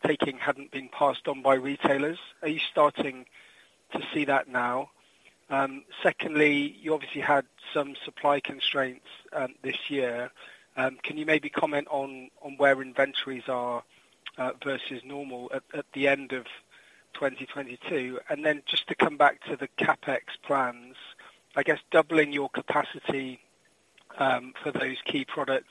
taking hadn't been passed on by retailers. Are you starting to see that now? Secondly, you obviously had some supply constraints this year. Can you maybe comment on where inventories are versus normal at the end of 2022? Just to come back to the CapEx plans, I guess doubling your capacity for those key products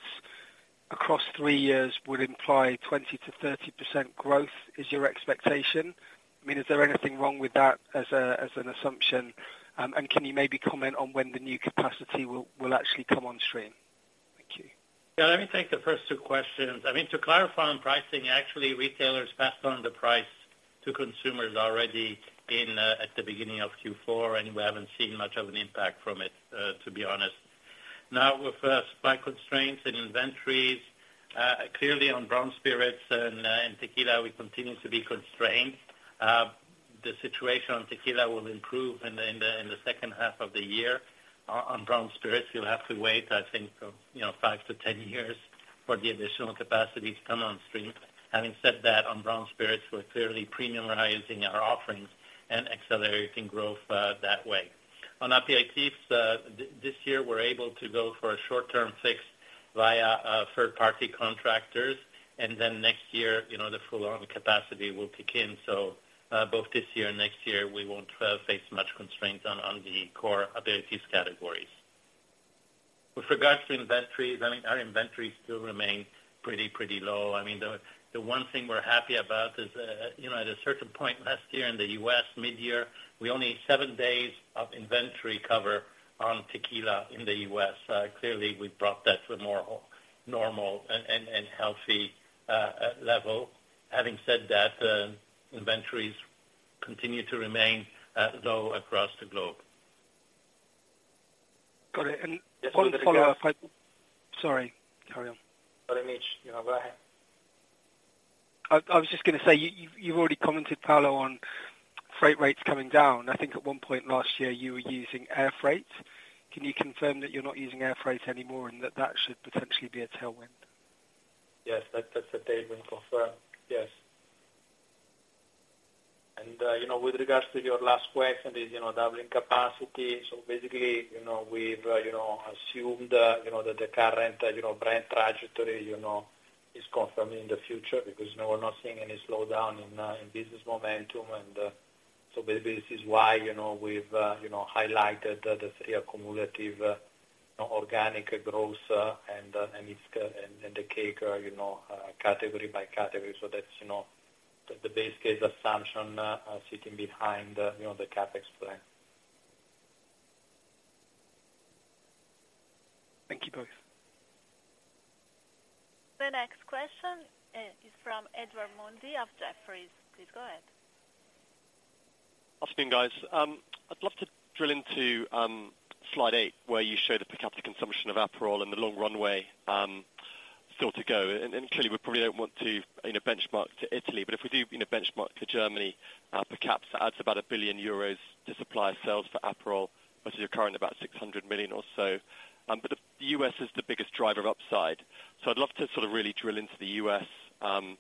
across three years would imply 20%-30% growth, is your expectation? I mean, is there anything wrong with that as an assumption? Can you maybe comment on when the new capacity will actually come on stream? Thank you. Yeah, let me take the first two questions. I mean, to clarify on pricing, actually retailers passed on the price to consumers already at the beginning of Q4, and we haven't seen much of an impact from it, to be honest. Now, with supply constraints and inventories, clearly on brown spirits and in tequila we continue to be constrained. The situation on tequila will improve in the second half of the year. On brown spirits, you'll have to wait, I think, you know, 5 to 10 years for the additional capacity to come on stream. Having said that, on brown spirits we're clearly premiumizing our offerings and accelerating growth that way. On Aperitifs, this year we're able to go for a short-term fix via third party contractors, and then next year, you know, the full-on capacity will kick in. Both this year and next year we won't face much constraints on the core aperitifs categories. With regards to inventories, I mean, our inventories still remain pretty low. I mean, the one thing we're happy about is, you know, at a certain point last year in the U.S., mid-year, we only seven days of inventory cover on tequila in the U.S. Clearly we've brought that to a more normal and healthy level. Having said that, inventories continue to remain low across the globe. Got it. One follow-up item. Just wanted to go- Sorry, carry on. Sorry, Mitch. Yeah, go ahead. I was just gonna say, you've already commented, Paolo, on freight rates coming down. I think at one point last year you were using air freight. Can you confirm that you're not using air freight anymore and that that should potentially be a tailwind? Yes. That's, that's a tailwind. Confirmed, yes. You know, with regards to your last question is, you know, doubling capacity. Basically, you know, we've, you know, assumed, you know, that the current, you know, brand trajectory, you know, is confirmed in the future because, you know, we're not seeing any slowdown in business momentum. This is why, you know, we've, you know, highlighted the three accumulative, you know, organic growth, and it's, and the cake, you know, category by category. That's, you know, the base case assumption, sitting behind, you know, the CapEx plan. Thank you both. The next question is from Edward Mundy of Jefferies. Please go ahead. Good afternoon, guys. I'd love to drill into slide 8 where you show the per capita consumption of Aperol and the long runway still to go. Clearly we probably don't want to, you know, benchmark to Italy, but if we do, you know, benchmark to Germany, per caps adds about 1 billion euros to supplier sales for Aperol versus your current about 600 million or so. The U.S. is the biggest driver of upside, so I'd love to sort of really drill into the U.S. opportunity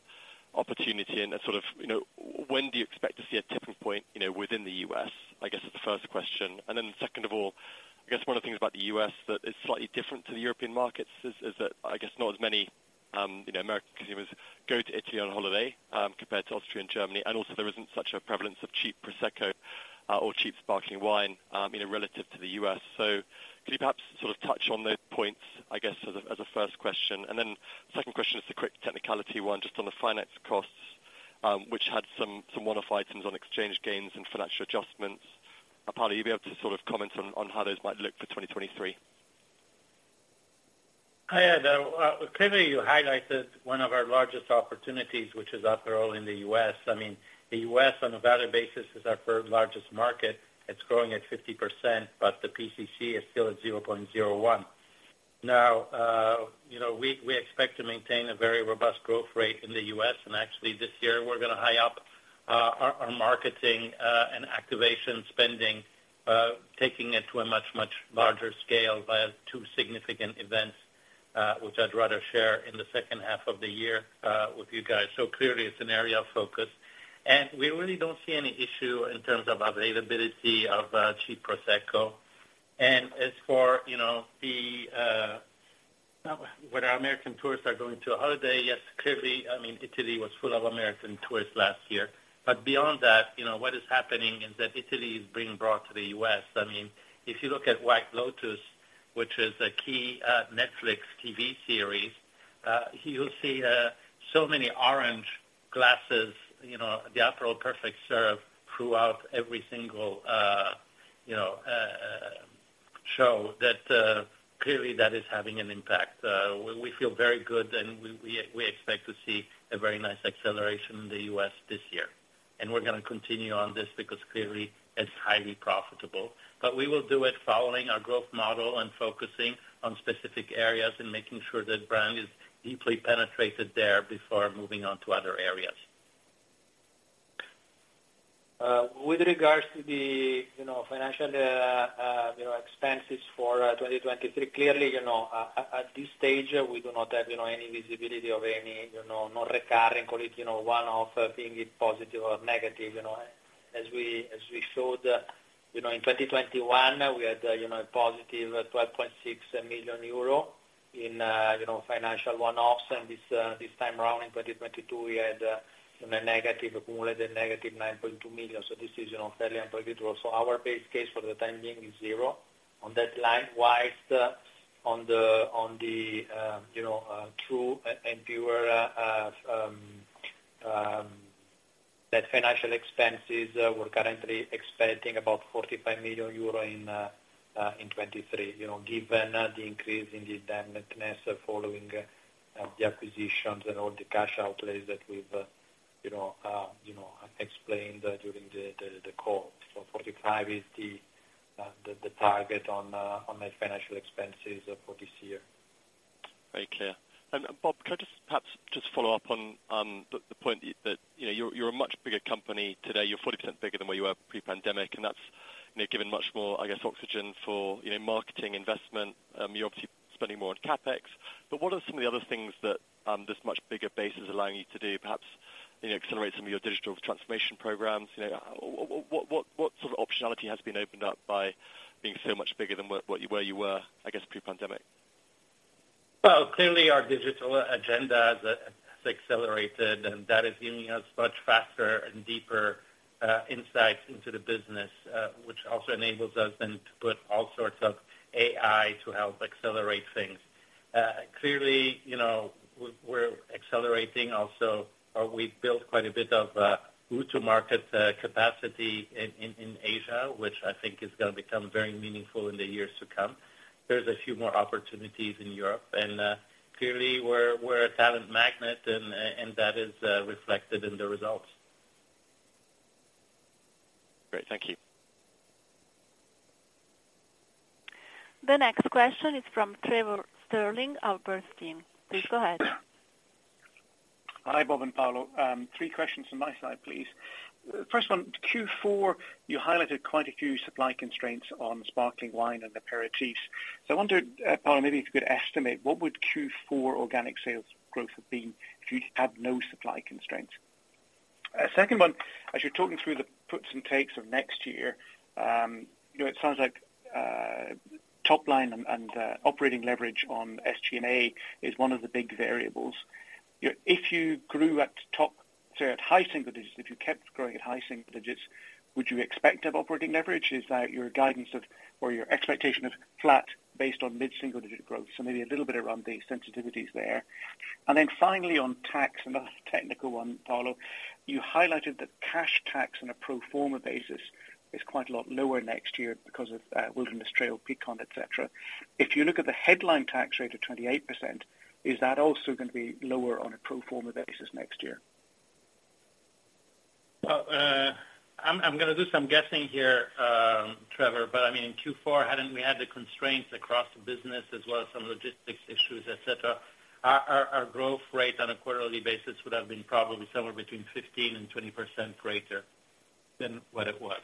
and sort of, you know, when do you expect to see a tipping point, you know, within the U.S., I guess is the first question? Second of all, I guess one of the things about the U.S. that is slightly different to the European markets is that I guess not as many, you know, American consumers go to Italy on holiday, compared to Austria and Germany, and also there isn't such a prevalence of cheap Prosecco, or cheap sparkling wine, you know, relative to the U.S. Could you perhaps sort of touch on those points, I guess as a, as a first question. Second question is a quick technicality one just on the finance costs, which had some one-off items on exchange gains and financial adjustments. Paolo, you'll be able to sort of comment on how those might look for 2023. Hi, Ed. Clearly you highlighted one of our largest opportunities, which is Aperol in the U.S. I mean, the U.S. on a value basis is our third largest market. It's growing at 50%, but the PCC is still at 0.01. Now, you know, we expect to maintain a very robust growth rate in the U.S., and actually this year we're gonna high up our marketing and activation spending, taking it to a much, much larger scale via two significant events, which I'd rather share in the second half of the year with you guys. Clearly it's an area of focus, and we really don't see any issue in terms of availability of cheap Prosecco. As for, you know, the... When our American tourists are going to a holiday, yes, clearly, I mean, Italy was full of American tourists last year. Beyond that, you know, what is happening is that Italy is being brought to the U.S. I mean, if you look at White Lotus, which is a key Netflix TV series, you'll see so many orange glasses, you know, the Aperol Perfect Serve throughout every single, you know, show, that clearly that is having an impact. We feel very good, and we expect to see a very nice acceleration in the U.S. this year. We're gonna continue on this because clearly it's highly profitable. We will do it following our growth model and focusing on specific areas and making sure that brand is deeply penetrated there before moving on to other areas. With regards to the, you know, financial expenses for 2023, clearly, you know, at this stage we do not have any visibility of any, you know, not recurring, call it, you know, one-off being it positive or negative, you know. As we showed, you know, in 2021, we had, you know, a positive 12.6 million euro in, you know, financial one-offs, and this time around in 2022, we had, you know, a negative, accumulated negative 9.2 million. So this is, you know, fairly unpredictable. So our base case for the time being is zero on that line. Whilst on the, on the, you know, true and pure net financial expenses, we're currently expecting about 45 million euro in 2023. You know, given the increase in the indebtedness following the acquisitions and all the cash outlays that we've, you know, you know, explained during the call. 45 is the target on net financial expenses for this year. Very clear. Bob, could I just perhaps just follow up on, the point that, you know, you're a much bigger company today. You're 40% bigger than where you were pre-pandemic, and that's, you know, given much more, I guess, oxygen for, you know, marketing investment. You're obviously spending more on CapEx. What are some of the other things that, this much bigger base is allowing you to do? Perhaps, you know, accelerate some of your digital transformation programs. You know, what, what sort of optionality has been opened up by being so much bigger than what, where you were, I guess, pre-pandemic? Well, clearly our digital agenda has accelerated, and that is giving us much faster and deeper insights into the business, which also enables us then to put all sorts of AI to help accelerate things. Clearly, you know, we're accelerating also, we've built quite a bit of go-to-market capacity in Asia, which I think is gonna become very meaningful in the years to come. There's a few more opportunities in Europe, and clearly we're a talent magnet and that is reflected in the results. Great. Thank you. The next question is from Trevor Stirling of Bernstein. Please go ahead. Hi, Bob and Paolo. three questions from my side, please. First one, Q4, you highlighted quite a few supply constraints on sparkling wine and aperitifs. I wondered, Paolo, maybe if you could estimate what would Q4 organic sales growth have been if you'd had no supply constraints? second one, as you're talking through the puts and takes of next year, you know, it sounds like top line and operating leverage on SG&A is one of the big variables. You know, if you grew at high single digits, if you kept growing at high single digits, would you expect to have operating leverage? Is that your guidance of or your expectation of flat based on mid-single digit growth? maybe a little bit around the sensitivities there. Finally, on tax, another technical one, Paolo, you highlighted that cash tax on a pro forma basis is quite a lot lower next year because of Wilderness Trail, Picon, et cetera. If you look at the headline tax rate of 28%, is that also gonna be lower on a pro forma basis next year? I'm gonna do some guessing here, Trevor, but I mean, in Q4, hadn't we had the constraints across the business as well as some logistics issues, et cetera, our growth rate on a quarterly basis would have been probably somewhere between 15% and 20% greater than what it was.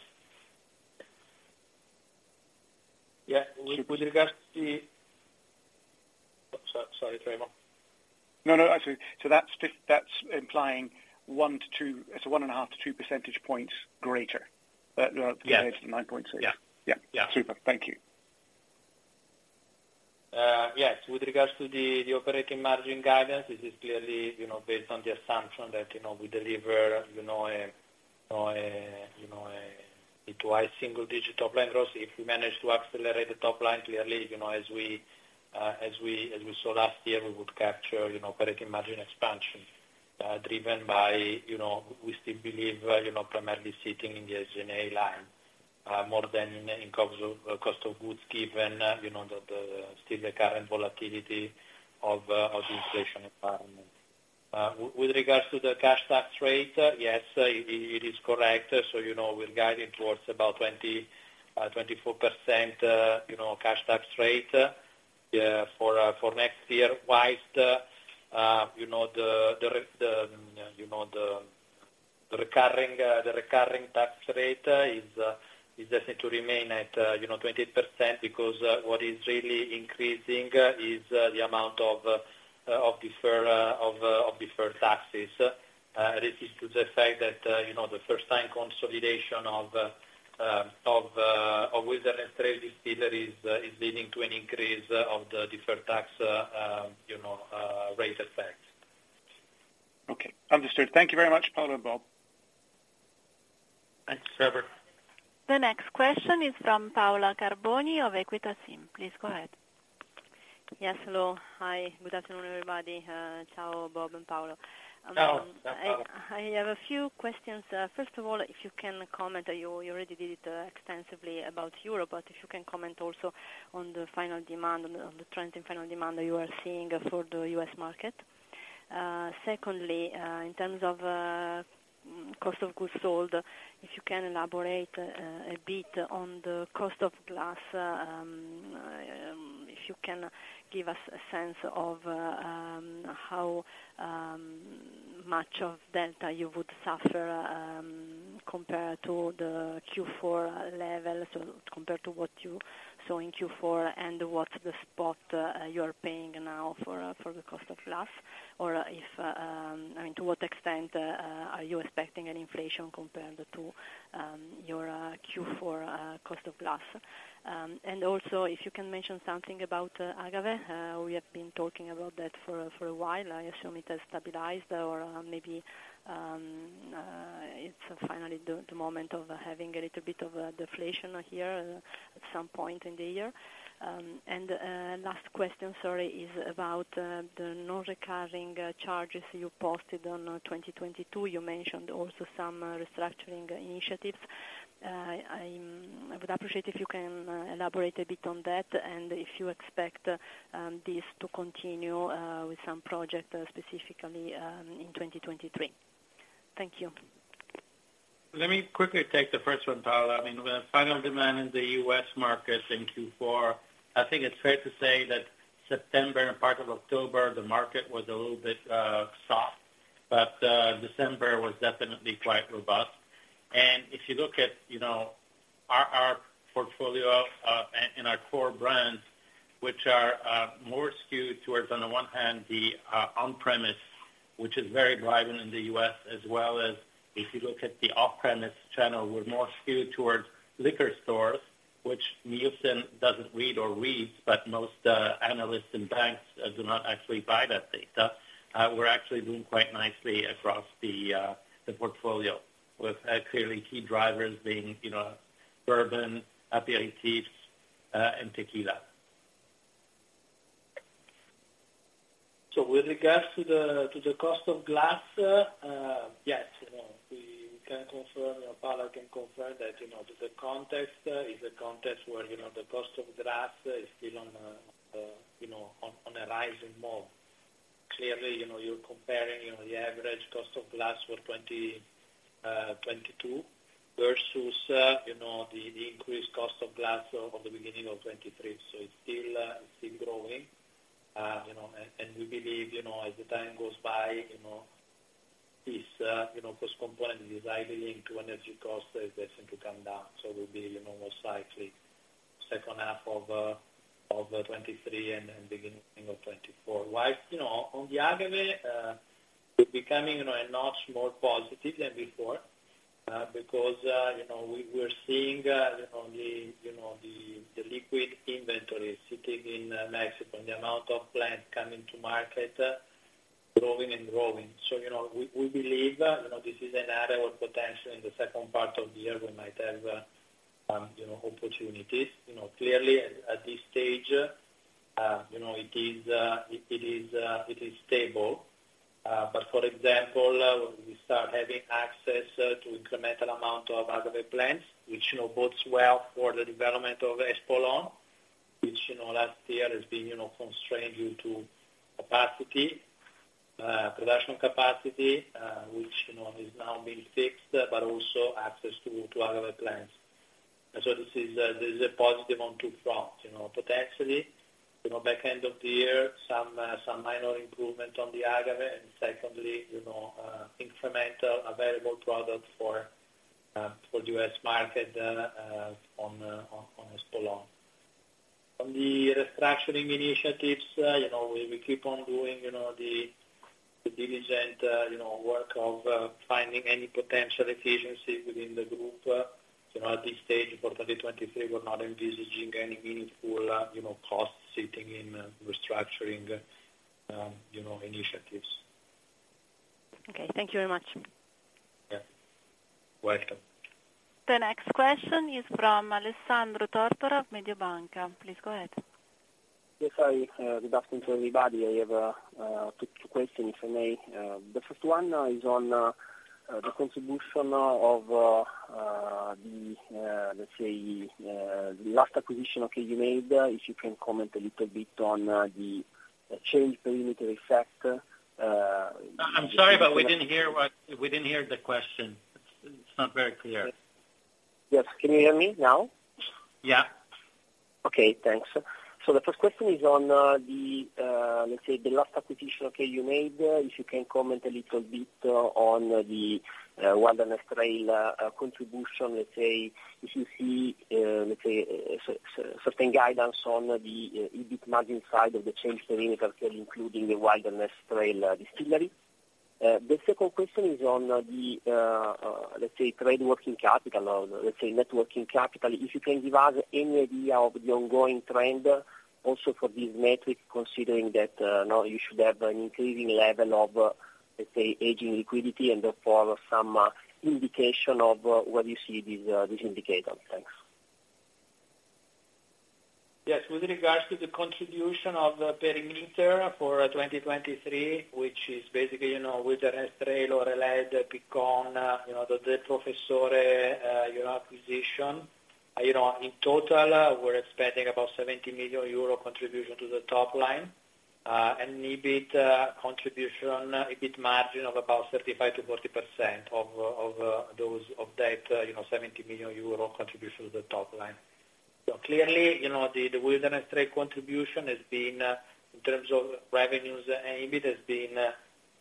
Yeah. With regards to- Sorry, Trevor. No, no, that's okay. That's implying 1 to 2... 1.5 to 2 percentage points greater. Yeah. As opposed to 9.6. Yeah. Yeah. Super. Thank you. Yes. With regards to the operating margin guidance, this is clearly, you know, based on the assumption that, you know, we deliver, you know, a mid to high single digit top line growth. If we manage to accelerate the top line, clearly, you know, as we saw last year, we would capture, you know, operating margin expansion, driven by, you know, we still believe, you know, primarily sitting in the SG&A line, more than in terms of cost of goods given, you know, the still the current volatility of the inflation environment. With regards to the cash tax rate, yes, it is correct. We're guiding towards about 24%, you know, cash tax rate for next year. Whilst, you know, the, you know, the The recurring tax rate is definitely to remain at, you know, 28% because what is really increasing is the amount of deferred taxes. This is to the fact that, you know, the first time consolidation of wisdom and trade distilleries is leading to an increase of the deferred tax, you know, rate effect. Okay. Understood. Thank you very much, Paolo and Bob. Thanks, Trevor. The next question is from Paola Carboni of Equita SIM. Please go ahead. Yes, hello. Hi. Good afternoon, everybody. Ciao Bob and Paolo. Ciao, Paola. I have a few questions. First of all, if you can comment, you already did it extensively about Europe, but if you can comment also on the final demand, on the trend and final demand you are seeing for the U.S. market. Secondly, in terms of cost of goods sold, if you can elaborate a bit on the cost of glass. If you can give us a sense of how much of delta you would suffer compared to the Q4 level, so compared to what you saw in Q4 and what's the spot you are paying now for the cost of glass. If, I mean, to what extent are you expecting an inflation compared to your Q4 cost of glass? Also if you can mention something about agave, we have been talking about that for a while. I assume it has stabilized or, maybe, it's finally the moment of having a little bit of a deflation here at some point in the year. Last question, sorry, is about the non-recurring charges you posted on 2022. You mentioned also some restructuring initiatives. I would appreciate if you can elaborate a bit on that and if you expect this to continue with some project, specifically, in 2023. Thank you. Let me quickly take the first one, Paola. I mean, the final demand in the U.S. market in Q4, I think it's fair to say that September and part of October, the market was a little bit soft, but December was definitely quite robust. If you look at, you know, our portfolio and our core brands, which are more skewed towards, on the one hand, the on-premise, which is very vibrant in the U.S., as well as if you look at the off-premise channel, we're more skewed towards liquor stores, which Nielsen doesn't read or reads, but most analysts and banks do not actually buy that data. We're actually doing quite nicely across the portfolio with clearly key drivers being, you know, bourbon, aperitifs, and tequila. With regards to the, to the cost of glass, yes, you know, we can confirm, you know, Paola can confirm that, you know, the context is a context where, you know, the cost of glass is still on a rising mode. Clearly, you know, you're comparing, you know, the average cost of glass for 2022 versus, you know, the increased cost of glass from the beginning of 2023. It's still growing. You know, and we believe, you know, as the time goes by, you know, this, you know, cost component is highly linked to energy costs as they seem to come down. We'll be, you know, more cyclic second half of 2023 and then beginning of 2024. While, you know, on the agave, we're becoming, you know, a notch more positive than before, because, you know, we're seeing, you know, the, you know, the liquid inventory sitting in Mexico and the amount of plants coming to market growing and growing. We believe, you know, this is an area where potentially in the second part of the year we might have, you know, opportunities. You know, clearly at this stage, you know, it is stable. For example, we start having access to incremental amount of agave plants, which, you know, bodes well for the development of Espolòn, which, you know, last year has been, you know, constrained due to capacity, production capacity, which, you know, is now being fixed, but also access to agave plants. This is a positive on two fronts, you know. Potentially, you know, back end of the year, some minor improvement on the agave. Secondly, you know, incremental available products for the U.S. market on Espolòn. On the restructuring initiatives, you know, we keep on doing, you know, the diligent work of finding any potential efficiency within the group. You know, at this stage for 2023, we're not envisaging any meaningful, you know, costs sitting in restructuring, you know, initiatives. Okay. Thank you very much. Yeah. Welcome. The next question is from Alessandro Tortora of Mediobanca. Please go ahead. Yes, hi. Good afternoon, everybody. I have two questions for me. The first one is on the let's say the last acquisition, okay, you made. If you can comment a little bit on the change per unit effect. I'm sorry, but we didn't hear. We didn't hear the question. It's not very clear. Yes. Can you hear me now? Yeah. Okay, thanks. The first question is on the, let's say, the last acquisition, okay, you made. If you can comment a little bit on the Wilderness Trail contribution. Let's say, if you see, let's say, certain guidance on the EBIT margin side of the change perimeter here, including the Wilderness Trail Distillery. The second question is on the, let's say, trade working capital or, let's say, net working capital. If you can give us any idea of the ongoing trend also for this metric, considering that now you should have an increasing level of, let's say, aging liquidity and therefore some indication of where you see these indicators. Thanks. Yes. With regards to the contribution of the perimeter for 2023, which is basically, you know, Wilderness Trail or LED, Picon, you know, the Del Professore, you know, acquisition. You know, in total, we're expecting about 70 million euro contribution to the top line. An EBIT contribution, EBIT margin of about 35%-40% of that, you know, 70 million euro contribution to the top line. Clearly, you know, the Wilderness Trail contribution has been, in terms of revenues and EBIT, has been,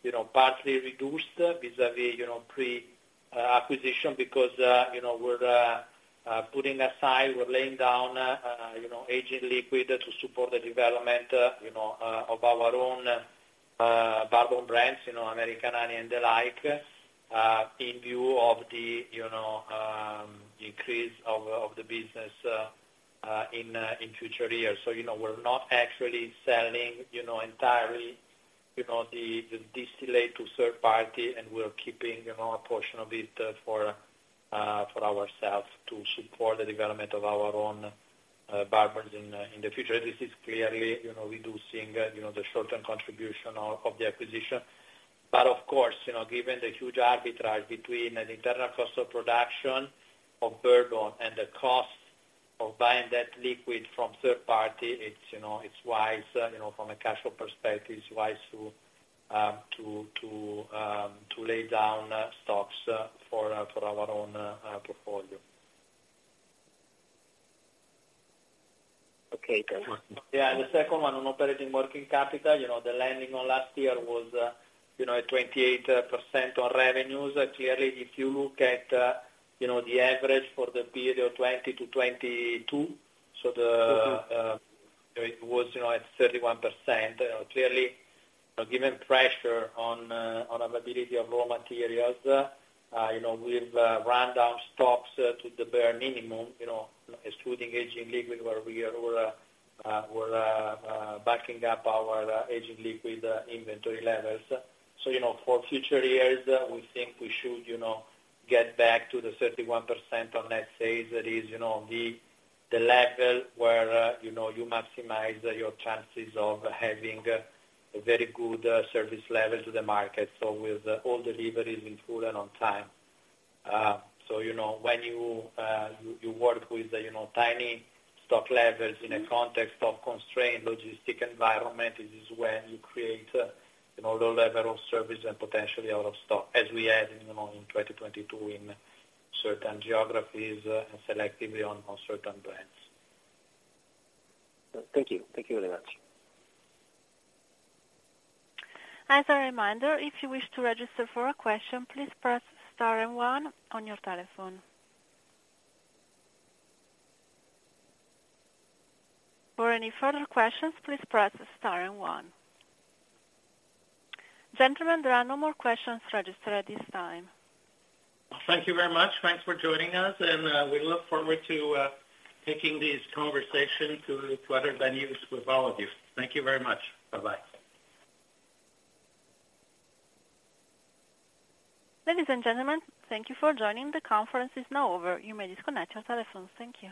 you know, partially reduced vis-à-vis, you know, pre-acquisition because, you know, we're putting aside, we're laying down, you know, aging liquid to support the development, you know, of our own bourbon brands, you know, American Honey and the like, in view of the, you know, increase of the business in future years. You know, we're not actually selling, you know, entirely, you know, the distillate to third party, and we're keeping, you know, a portion of it for ourselves to support the development of our own bourbons in the future. This is clearly, you know, reducing, you know, the short-term contribution of the acquisition. Of course, you know, given the huge arbitrage between an internal cost of production of bourbon and the cost of buying that liquid from third party, it's, you know, it's wise, you know, from a cash flow perspective, it's wise to lay down stocks for our own portfolio. Okay, got it. Yeah. The second one on operating working capital. You know, the landing on last year was, you know, at 28% on revenues. Clearly, if you look at, you know, the average for the period 20-22. Mm-hmm. it was, you know, at 31%. clearly, you know, given pressure on availability of raw materials, you know, we've run down stocks to the bare minimum, you know, excluding aging liquid where we are, we're backing up our aging liquid inventory levels. you know, for future years, we think we should, you know, get back to the 31% on net sales. That is, you know, the level where, you know, you maximize your chances of having a very good service level to the market, so with all deliveries in full and on time. You know, when you work with tiny stock levels in a context of constrained logistic environment, it is when you create, you know, low level of service and potentially out of stock, as we had, you know, in 2022 in certain geographies, selectively on certain brands. Thank you. Thank you very much. As a reminder, if you wish to register for a question, please press star and one on your telephone. For any further questions, please press star and one. Gentlemen, there are no more questions registered at this time. Thank you very much. Thanks for joining us. We look forward to taking this conversation to other venues with all of you. Thank you very much. Bye-bye. Ladies and gentlemen, thank you for joining. The conference is now over. You may disconnect your telephones. Thank you.